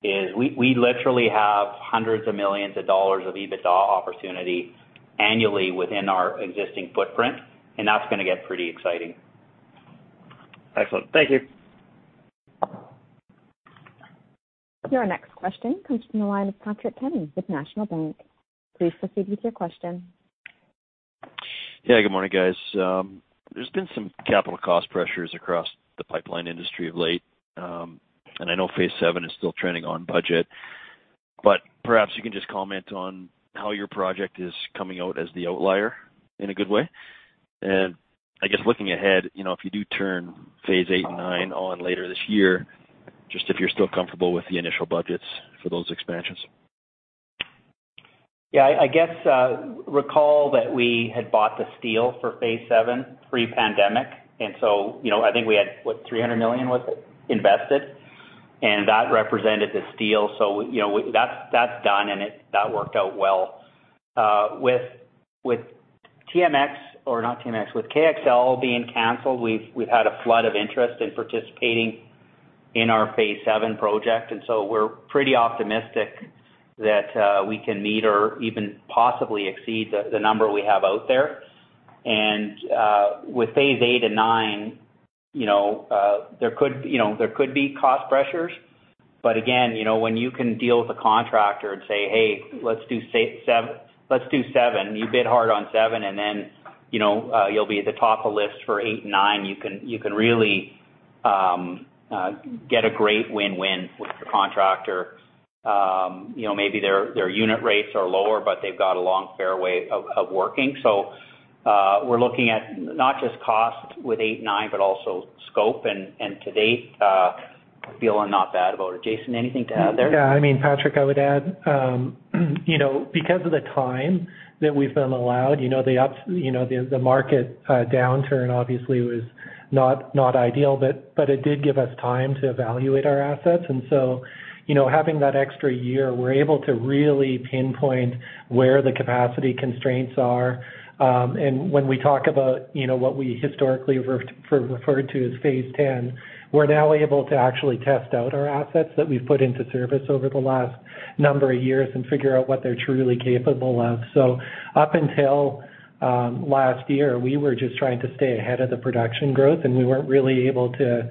is we literally have hundreds of millions of dollars of EBITDA opportunity annually within our existing footprint, and that's going to get pretty exciting. Excellent. Thank you. Your next question comes from the line of Patrick Kenny with National Bank. Please proceed with your question. Yeah, good morning, guys. There's been some capital cost pressures across the pipeline industry of late. I know phase VII is still trending on budget. Perhaps you can just comment on how your project is coming out as the outlier in a good way. I guess looking ahead, if you do turn phase VIII and phase IX on later this year, just if you're still comfortable with the initial budgets for those expansions. Yeah, I guess, recall that we had bought the steel for phase VII pre-pandemic, and so I think we had, what, 300 million was it invested? That represented the steel. That's done, and that worked out well. With TMX or not TMX, with Keystone XL being canceled, we've had a flood of interest in participating in our phase VII project, and so we're pretty optimistic that we can meet or even possibly exceed the number we have out there. With phase VIII and phase IX, there could be cost pressures. Again, when you can deal with a contractor and say, "Hey, let's do phase VII. You bid hard on phase VII, and then you'll be at the top of list for phase VIII and phase IX," you can really get a great win-win with the contractor. Maybe their unit rates are lower, but they've got a long fairway of working. We're looking at not just cost with eight and nine, but also scope. To date, feeling not bad about it. Jason, anything to add there? Yeah. Patrick, I would add, because of the time that we've been allowed, the market downturn obviously was not ideal, but it did give us time to evaluate our assets. Having that extra year, we're able to really pinpoint where the capacity constraints are. When we talk about what we historically referred to as phase X, we're now able to actually test out our assets that we've put into service over the last number of years and figure out what they're truly capable of. Up until last year, we were just trying to stay ahead of the production growth, and we weren't really able to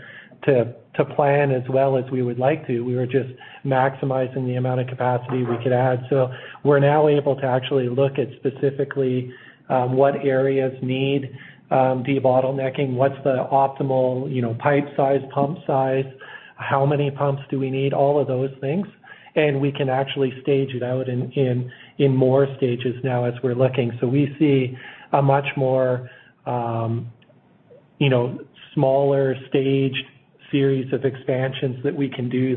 plan as well as we would like to. We were just maximizing the amount of capacity we could add. We're now able to actually look at specifically what areas need debottlenecking, what's the optimal pipe size, pump size, how many pumps do we need, all of those things. We can actually stage it out in more stages now as we're looking. We see a much more smaller stage series of expansions that we can do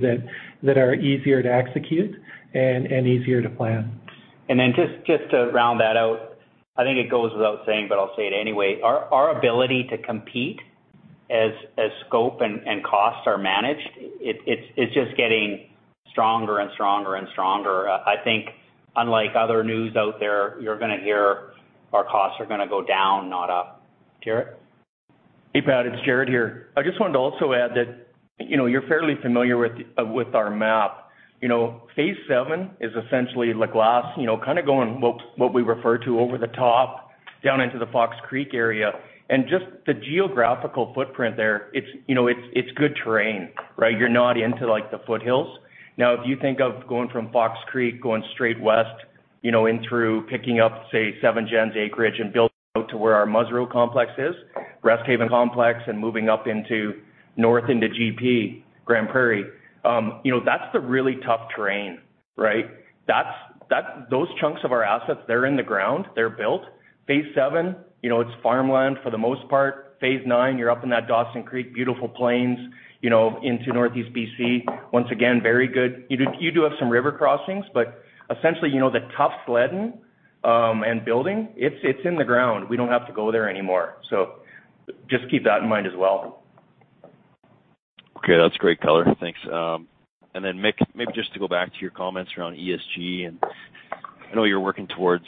that are easier to execute and easier to plan. Just to round that out, I think it goes without saying, but I'll say it anyway. Our ability to compete as scope and cost are managed, it's just getting stronger and stronger. I think unlike other news out there, you're going to hear our costs are going to go down, not up. Jaret? Hey, Pat. It's Jaret here. I just wanted to also add that you're fairly familiar with our map. phase VII is essentially La Glace, kind of going what we refer to over the top, down into the Fox Creek area. Just the geographical footprint there, it's good terrain, right? You're not into the foothills. If you think of going from Fox Creek, going straight west, in through picking up, say, Seven Gen's acreage and building out to where our Musreau complex is, Resthaven complex, and moving up into north into GP, Grande Prairie. That's the really tough terrain, right? Those chunks of our assets, they're in the ground, they're built. phase VII, it's farmland for the most part. phase IX, you're up in that Dawson Creek, beautiful plains into Northeast B.C. Once again, very good. You do have some river crossings, but essentially, the tough flatten and building, it's in the ground. We don't have to go there anymore. Just keep that in mind as well. Okay, that's great color. Thanks. Maybe just to go back to your comments around ESG, and I know you're working towards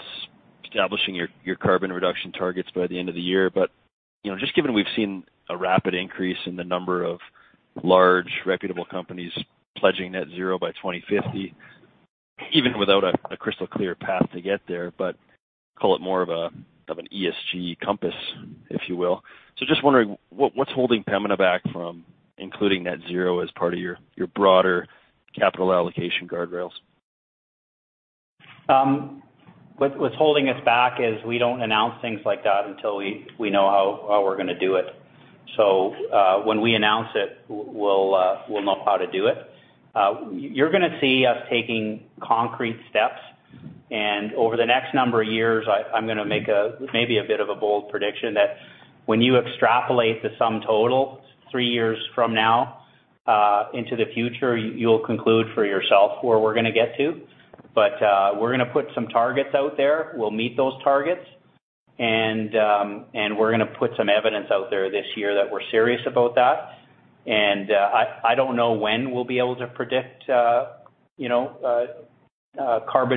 establishing your carbon reduction targets by the end of the year, but just given we've seen a rapid increase in the number of large reputable companies pledging net zero by 2050, even without a crystal clear path to get there, but call it more of an ESG compass, if you will. Just wondering, what's holding Pembina back from including net zero as part of your broader capital allocation guardrails? What's holding us back is we don't announce things like that until we know how we're going to do it. When we announce it, we'll know how to do it. You're going to see us taking concrete steps, and over the next number of years, I'm going to make maybe a bit of a bold prediction that when you extrapolate the sum total three years from now into the future, you'll conclude for yourself where we're going to get to. We're going to put some targets out there. We'll meet those targets. We're going to put some evidence out there this year that we're serious about that. I don't know when we'll be able to predict carbon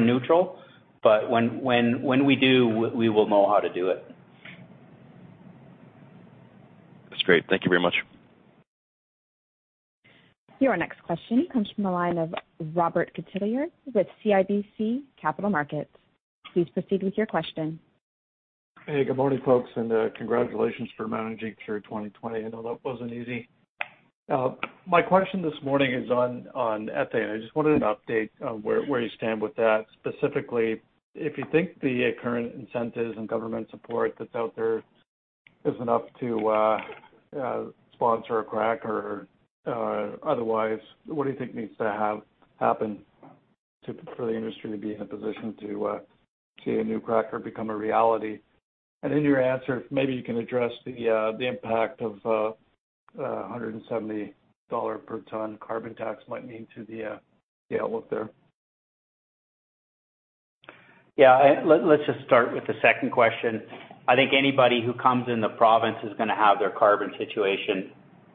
neutral, but when we do, we will know how to do it. That's great. Thank you very much. Your next question comes from the line of Robert Catellier with CIBC Capital Markets. Please proceed with your question. Hey, good morning, folks, and congratulations for managing through 2020. I know that wasn't easy. My question this morning is on ethane. I just wanted an update on where you stand with that, specifically if you think the current incentives and government support that's out there is enough to sponsor a cracker. Otherwise, what do you think needs to happen for the industry to be in a position to see a new cracker become a reality? In your answer, maybe you can address the impact of 170 dollar per ton carbon tax might mean to the outlook there. Yeah. Let's just start with the second question. I think anybody who comes in the province is going to have their carbon situation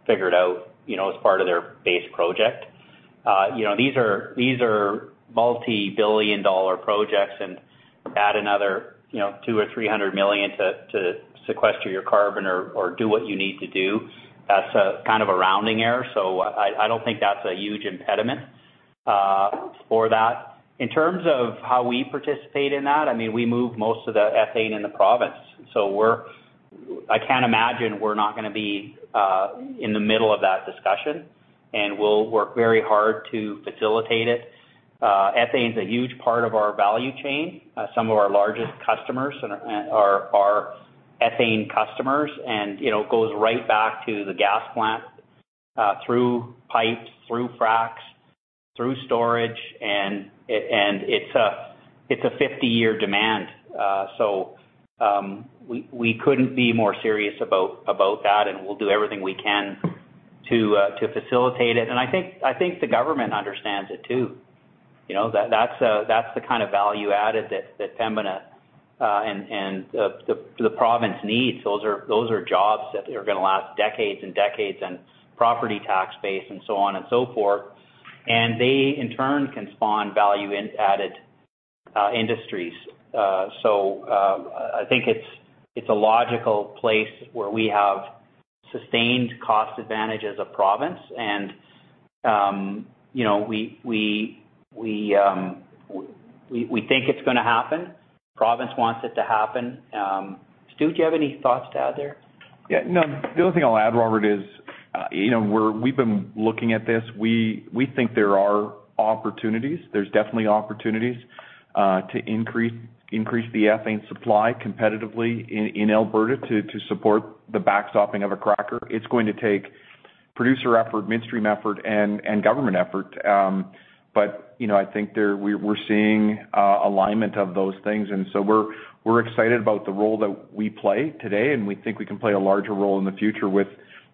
figured out, as part of their base project. These are multi-billion dollar projects. Add another 200 million-300 million to sequester your carbon or do what you need to do. That's a rounding error. I don't think that's a huge impediment for that. In terms of how we participate in that, we move most of the ethane in the province. I can't imagine we're not going to be in the middle of that discussion. We'll work very hard to facilitate it. Ethane's a huge part of our value chain. Some of our largest customers are our ethane customers. It goes right back to the gas plant, through pipes, through fracs, through storage. It's a 50-year demand. We couldn't be more serious about that, and we'll do everything we can to facilitate it. I think the government understands it, too. That's the kind of value added that Pembina and the province needs. Those are jobs that are going to last decades and decades, and property tax base and so on and so forth. They, in turn, can spawn value-added industries. I think it's a logical place where we have sustained cost advantage as a province and we think it's going to happen. The province wants it to happen. Stu, do you have any thoughts to add there? Yeah, no. The only thing I'll add, Robert, is we've been looking at this. We think there are opportunities, there's definitely opportunities to increase the ethane supply competitively in Alberta to support the backstopping of a cracker. It's going to take producer effort, midstream effort, and government effort. I think we're seeing alignment of those things, and so we're excited about the role that we play today, and we think we can play a larger role in the future with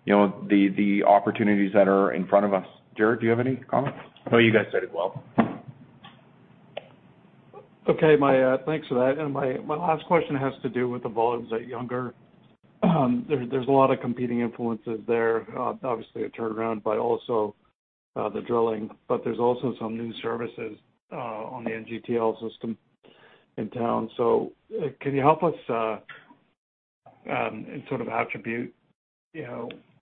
the opportunities that are in front of us. Jaret, do you have any comments? No, you guys said it well. Okay. Thanks for that. My last question has to do with the volumes at Younger. There's a lot of competing influences there. Obviously, a turnaround, but also the drilling. There's also some new services on the NGTL System in town. Can you help us, and sort of attribute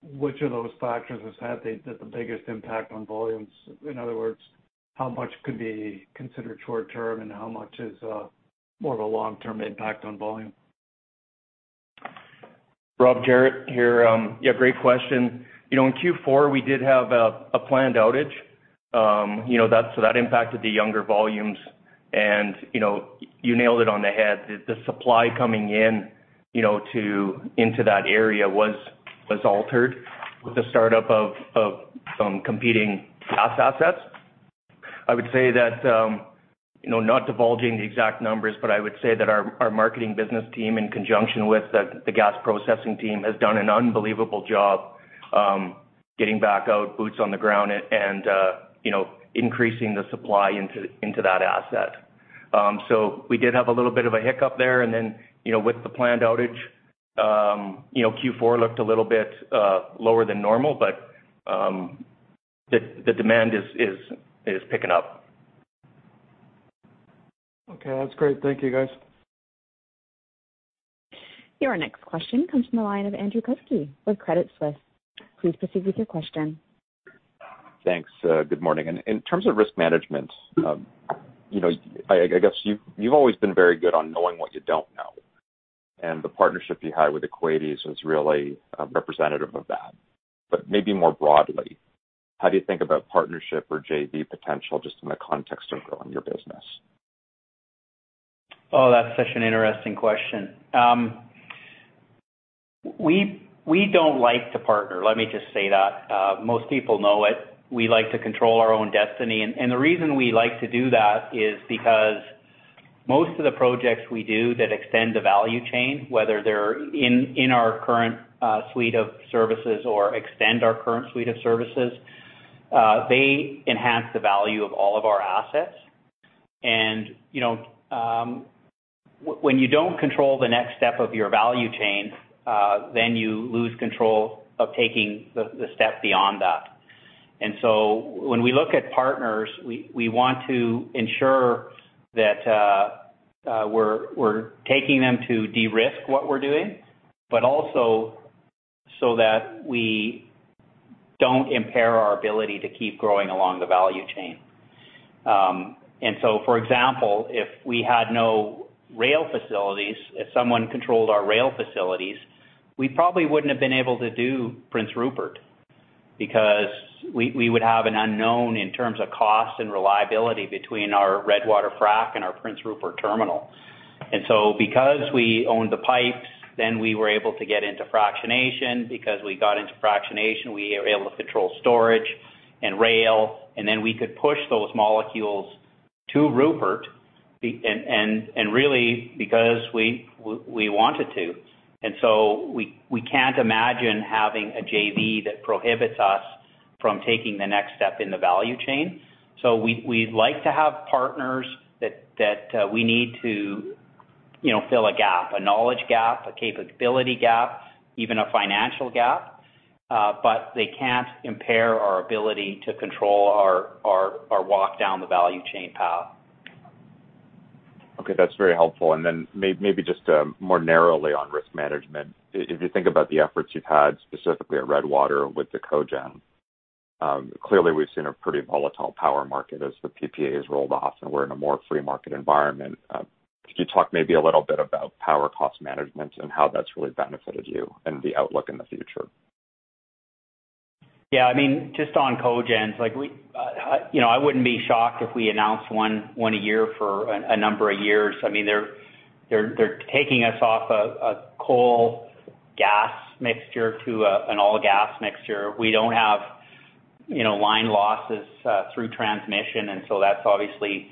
which of those factors has had the biggest impact on volumes? In other words, how much could be considered short-term and how much is more of a long-term impact on volume? Rob, Jaret here. Yeah, great question. In Q4, we did have a planned outage, so that impacted the Younger volumes. You nailed it on the head, the supply coming in into that area was altered with the startup of some competing gas assets. I would say that, not divulging the exact numbers, but I would say that our marketing business team, in conjunction with the gas processing team, has done an unbelievable job getting back out, boots on the ground, and increasing the supply into that asset. We did have a little bit of a hiccup there, and then, with the planned outage, Q4 looked a little bit lower than normal, but the demand is picking up. Okay. That's great. Thank you, guys. Your next question comes from the line of Andrew Kuske with Credit Suisse. Please proceed with your question. Thanks. Good morning. In terms of risk management, I guess you've always been very good on knowing what you don't know, and the partnership you have with KKR is really representative of that. Maybe more broadly, how do you think about partnership or JV potential, just in the context of growing your business? That's such an interesting question. We don't like to partner. Let me just say that. Most people know it. We like to control our own destiny, the reason we like to do that is because most of the projects we do that extend the value chain, whether they're in our current suite of services or extend our current suite of services, they enhance the value of all of our assets. When you don't control the next step of your value chain, then you lose control of taking the step beyond that. When we look at partners, we want to ensure that we're taking them to de-risk what we're doing, but also so that we don't impair our ability to keep growing along the value chain. For example, if we had no rail facilities, if someone controlled our rail facilities, we probably wouldn't have been able to do Prince Rupert. Because we would have an unknown in terms of cost and reliability between our Redwater frac and our Prince Rupert terminal. Because we owned the pipes, then we were able to get into fractionation. Because we got into fractionation, we were able to control storage and rail, and then we could push those molecules to Rupert, and really because we wanted to. We can't imagine having a JV that prohibits us from taking the next step in the value chain. We like to have partners that we need to fill a gap, a knowledge gap, a capability gap, even a financial gap. They can't impair our ability to control our walk down the value chain path. Okay. That's very helpful. Maybe just more narrowly on risk management. If you think about the efforts you've had, specifically at Redwater with the cogen. Clearly we've seen a pretty volatile power market as the PPAs rolled off, and we're in a more free market environment. Could you talk maybe a little bit about power cost management and how that's really benefited you and the outlook in the future? Just on cogens, I wouldn't be shocked if we announced one a year for a number of years. They're taking us off a coal gas mixture to an all gas mixture. We don't have line losses through transmission. That's obviously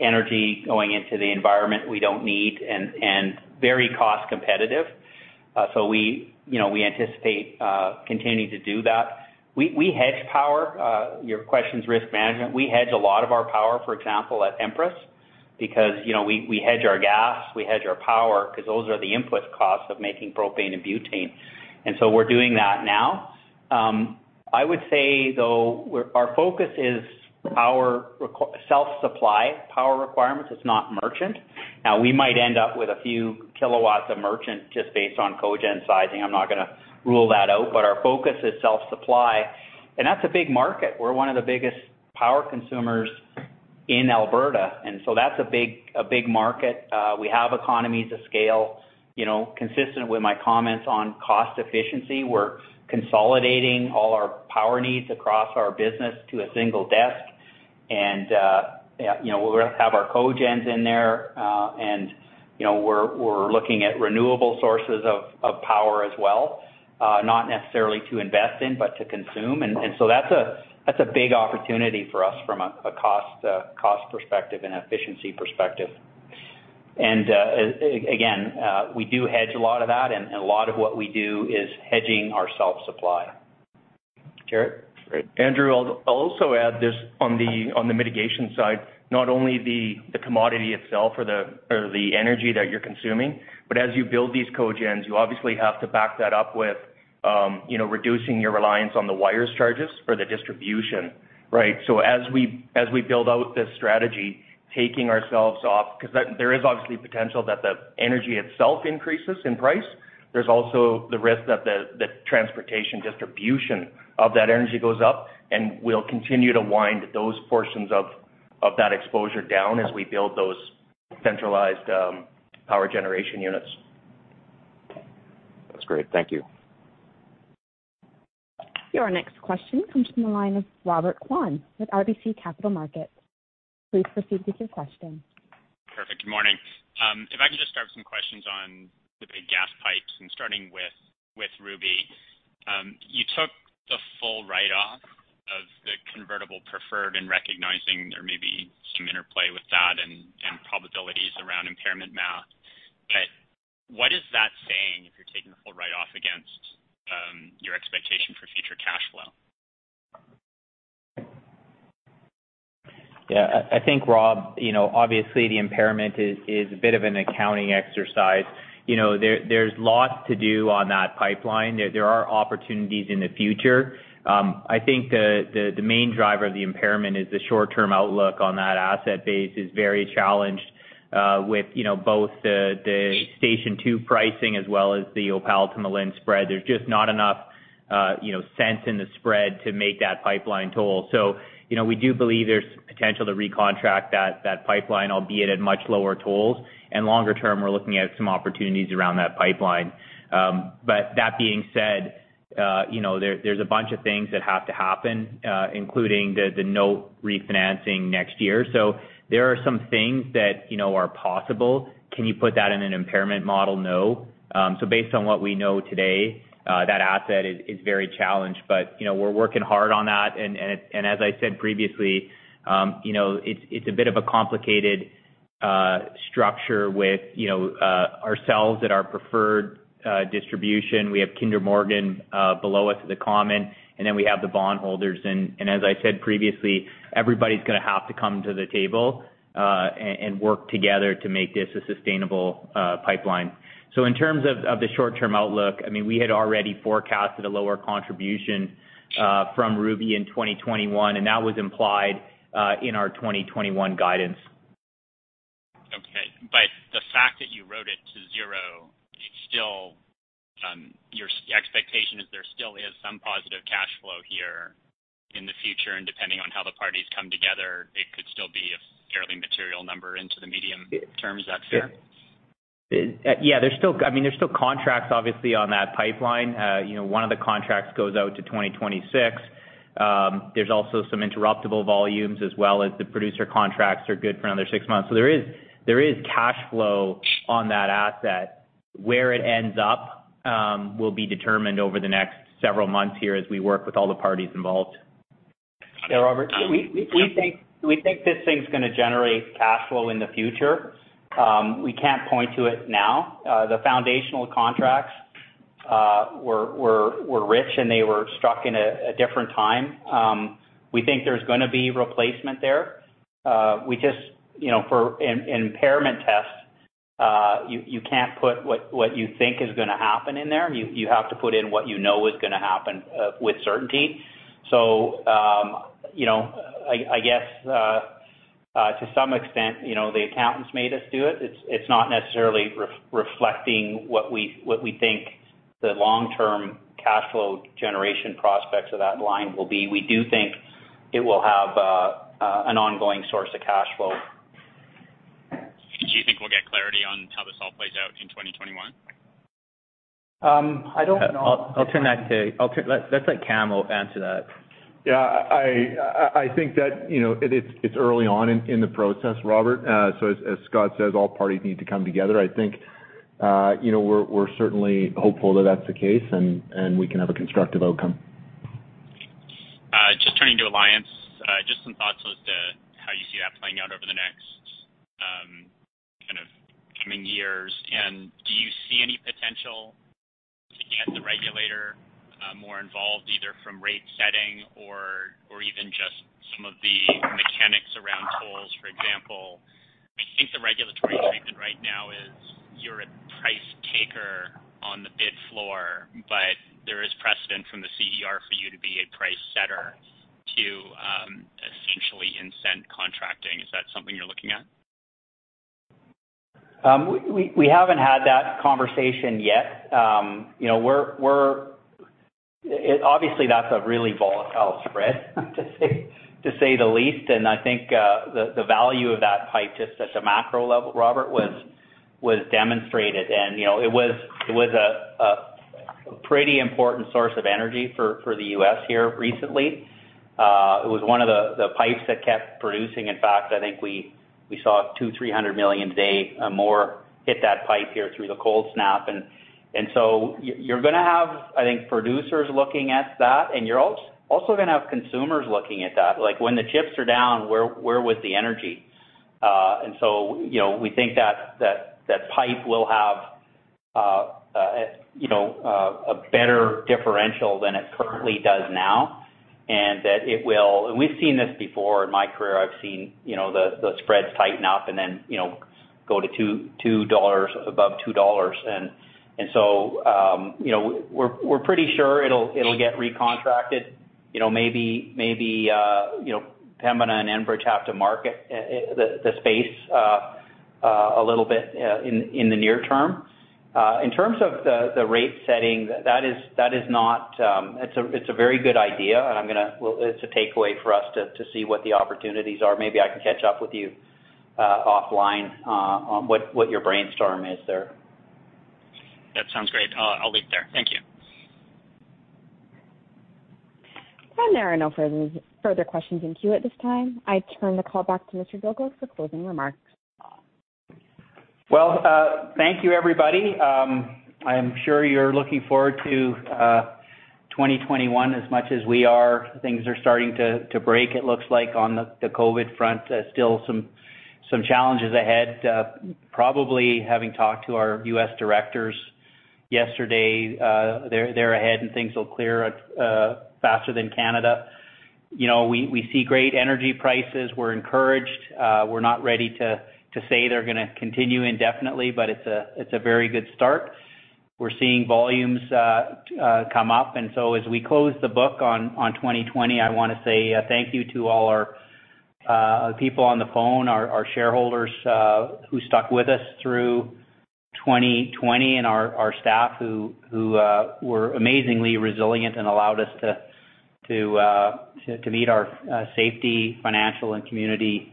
energy going into the environment we don't need and very cost competitive. We anticipate continuing to do that. We hedge power. Your question's risk management. We hedge a lot of our power, for example, at Empress because we hedge our gas, we hedge our power because those are the input costs of making propane and butane. We're doing that now. I would say, though, our focus is our self-supply power requirements. It's not merchant. We might end up with a few kilowatts of merchant just based on cogen sizing. I'm not going to rule that out, but our focus is self-supply, and that's a big market. We're one of the biggest power consumers in Alberta, and so that's a big market. We have economies of scale. Consistent with my comments on cost efficiency, we're consolidating all our power needs across our business to a single desk. We'll have our cogens in there, and we're looking at renewable sources of power as well, not necessarily to invest in, but to consume. That's a big opportunity for us from a cost perspective and efficiency perspective. Again, we do hedge a lot of that, and a lot of what we do is hedging our self-supply. Jaret? Great. Andrew, I'll also add this on the mitigation side, not only the commodity itself or the energy that you're consuming, but as you build these cogens, you obviously have to back that up with reducing your reliance on the wires charges for the distribution. Right? As we build out this strategy, taking ourselves off, because there is obviously potential that the energy itself increases in price. There's also the risk that the transportation distribution of that energy goes up, and we'll continue to wind those portions of that exposure down as we build those centralized power generation units. That's great. Thank you. Your next question comes from the line of Robert Kwan with RBC Capital Markets. Please proceed with your question. Perfect. Good morning. If I could just start with some questions on the big gas pipes and starting with Ruby. You took the full write-off of the convertible preferred and recognizing there may be some interplay with that and probabilities around impairment math. What is that saying if you're taking the full write-off against your expectation for future cash flow? I think, Rob, obviously the impairment is a bit of an accounting exercise. There's lots to do on that pipeline. There are opportunities in the future. I think the main driver of the impairment is the short-term outlook on that asset base is very challenged, with both the Station 2 pricing as well as the Opal to Malin spread. There's just not enough sense in the spread to make that pipeline toll. We do believe there's potential to recontract that pipeline, albeit at much lower tolls, and longer term, we're looking at some opportunities around that pipeline. That being said, there's a bunch of things that have to happen, including the note refinancing next year. There are some things that are possible. Can you put that in an impairment model? No. Based on what we know today, that asset is very challenged, but we're working hard on that, and as I said previously, it's a bit of a complicated structure with ourselves at our preferred distribution. We have Kinder Morgan below us at the common, and then we have the bondholders. As I said previously, everybody's going to have to come to the table, and work together to make this a sustainable pipeline. In terms of the short-term outlook, we had already forecasted a lower contribution from Ruby in 2021, and that was implied in our 2021 guidance. Okay. The fact that you wrote it to zero, your expectation is there still is some positive cash flow here in the future, and depending on how the parties come together, it could still be a fairly material number into the medium term. Is that fair? Yeah. There's still contracts, obviously, on that pipeline. One of the contracts goes out to 2026. There's also some interruptible volumes as well as the producer contracts are good for another six months. There is cash flow on that asset. Where it ends up will be determined over the next several months here as we work with all the parties involved. Robert, we think this thing's going to generate cash flow in the future. We can't point to it now. The foundational contracts were rich, and they were struck in a different time. We think there's going to be replacement there. For impairment tests, you can't put what you think is going to happen in there. You have to put in what you know is going to happen with certainty. I guess to some extent, the accountants made us do it. It's not necessarily reflecting what we think the long-term cash flow generation prospects of that line will be. We do think it will have an ongoing source of cash flow. Do you think we'll get clarity on how this all plays out in 2021? I don't know. I'll turn that to Let's let Cam answer that. Yeah. I think that it's early on in the process, Robert. As Scott says, all parties need to come together. I think we're certainly hopeful that that's the case, and we can have a constructive outcome. Just turning to Alliance, just some thoughts as to how you see that playing out over the next coming years. Do you see any potential to get the regulator more involved, either from rate setting or even just some of the mechanics around tolls, for example? I think the regulatory treatment right now is you're a price taker on the bid floor, but there is precedent from the CER for you to be a price setter to essentially incent contracting. Is that something you're looking at? We haven't had that conversation yet. Obviously, that's a really volatile spread, to say the least. I think, the value of that pipe, just at a macro level, Robert, was demonstrated, and it was a pretty important source of energy for the U.S. here recently. It was one of the pipes that kept producing. In fact, I think we saw 200 million, 300 million a day more hit that pipe here through the cold snap. You're going to have, I think, producers looking at that, and you're also going to have consumers looking at that, like, "When the chips are down, where was the energy?" We think that pipe will have a better differential than it currently does now. We've seen this before. In my career, I've seen the spreads tighten up and then go to 2 dollars, above 2 dollars. We're pretty sure it'll get recontracted. Maybe Pembina and Enbridge have to market the space a little bit in the near term. In terms of the rate setting, it's a very good idea, and it's a takeaway for us to see what the opportunities are. Maybe I can catch up with you offline on what your brainstorm is there. That sounds great. I'll leave it there. Thank you. There are no further questions in queue at this time. I turn the call back to Mr. Dilger for closing remarks. Well, thank you everybody. I am sure you're looking forward to 2021 as much as we are. Things are starting to break, it looks like, on the COVID front. Still some challenges ahead. Probably having talked to our U.S. directors yesterday, they're ahead, and things will clear faster than Canada. We see great energy prices. We're encouraged. We're not ready to say they're going to continue indefinitely, but it's a very good start. We're seeing volumes come up, and so as we close the book on 2020, I want to say thank you to all our people on the phone, our shareholders who stuck with us through 2020, and our staff who were amazingly resilient and allowed us to meet our safety, financial, and community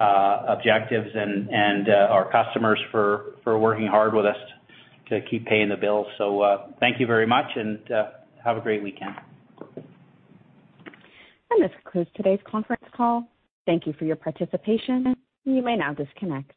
objectives, and our customers for working hard with us to keep paying the bills. Thank you very much, and have a great weekend. This concludes today's conference call. Thank you for your participation. You may now disconnect.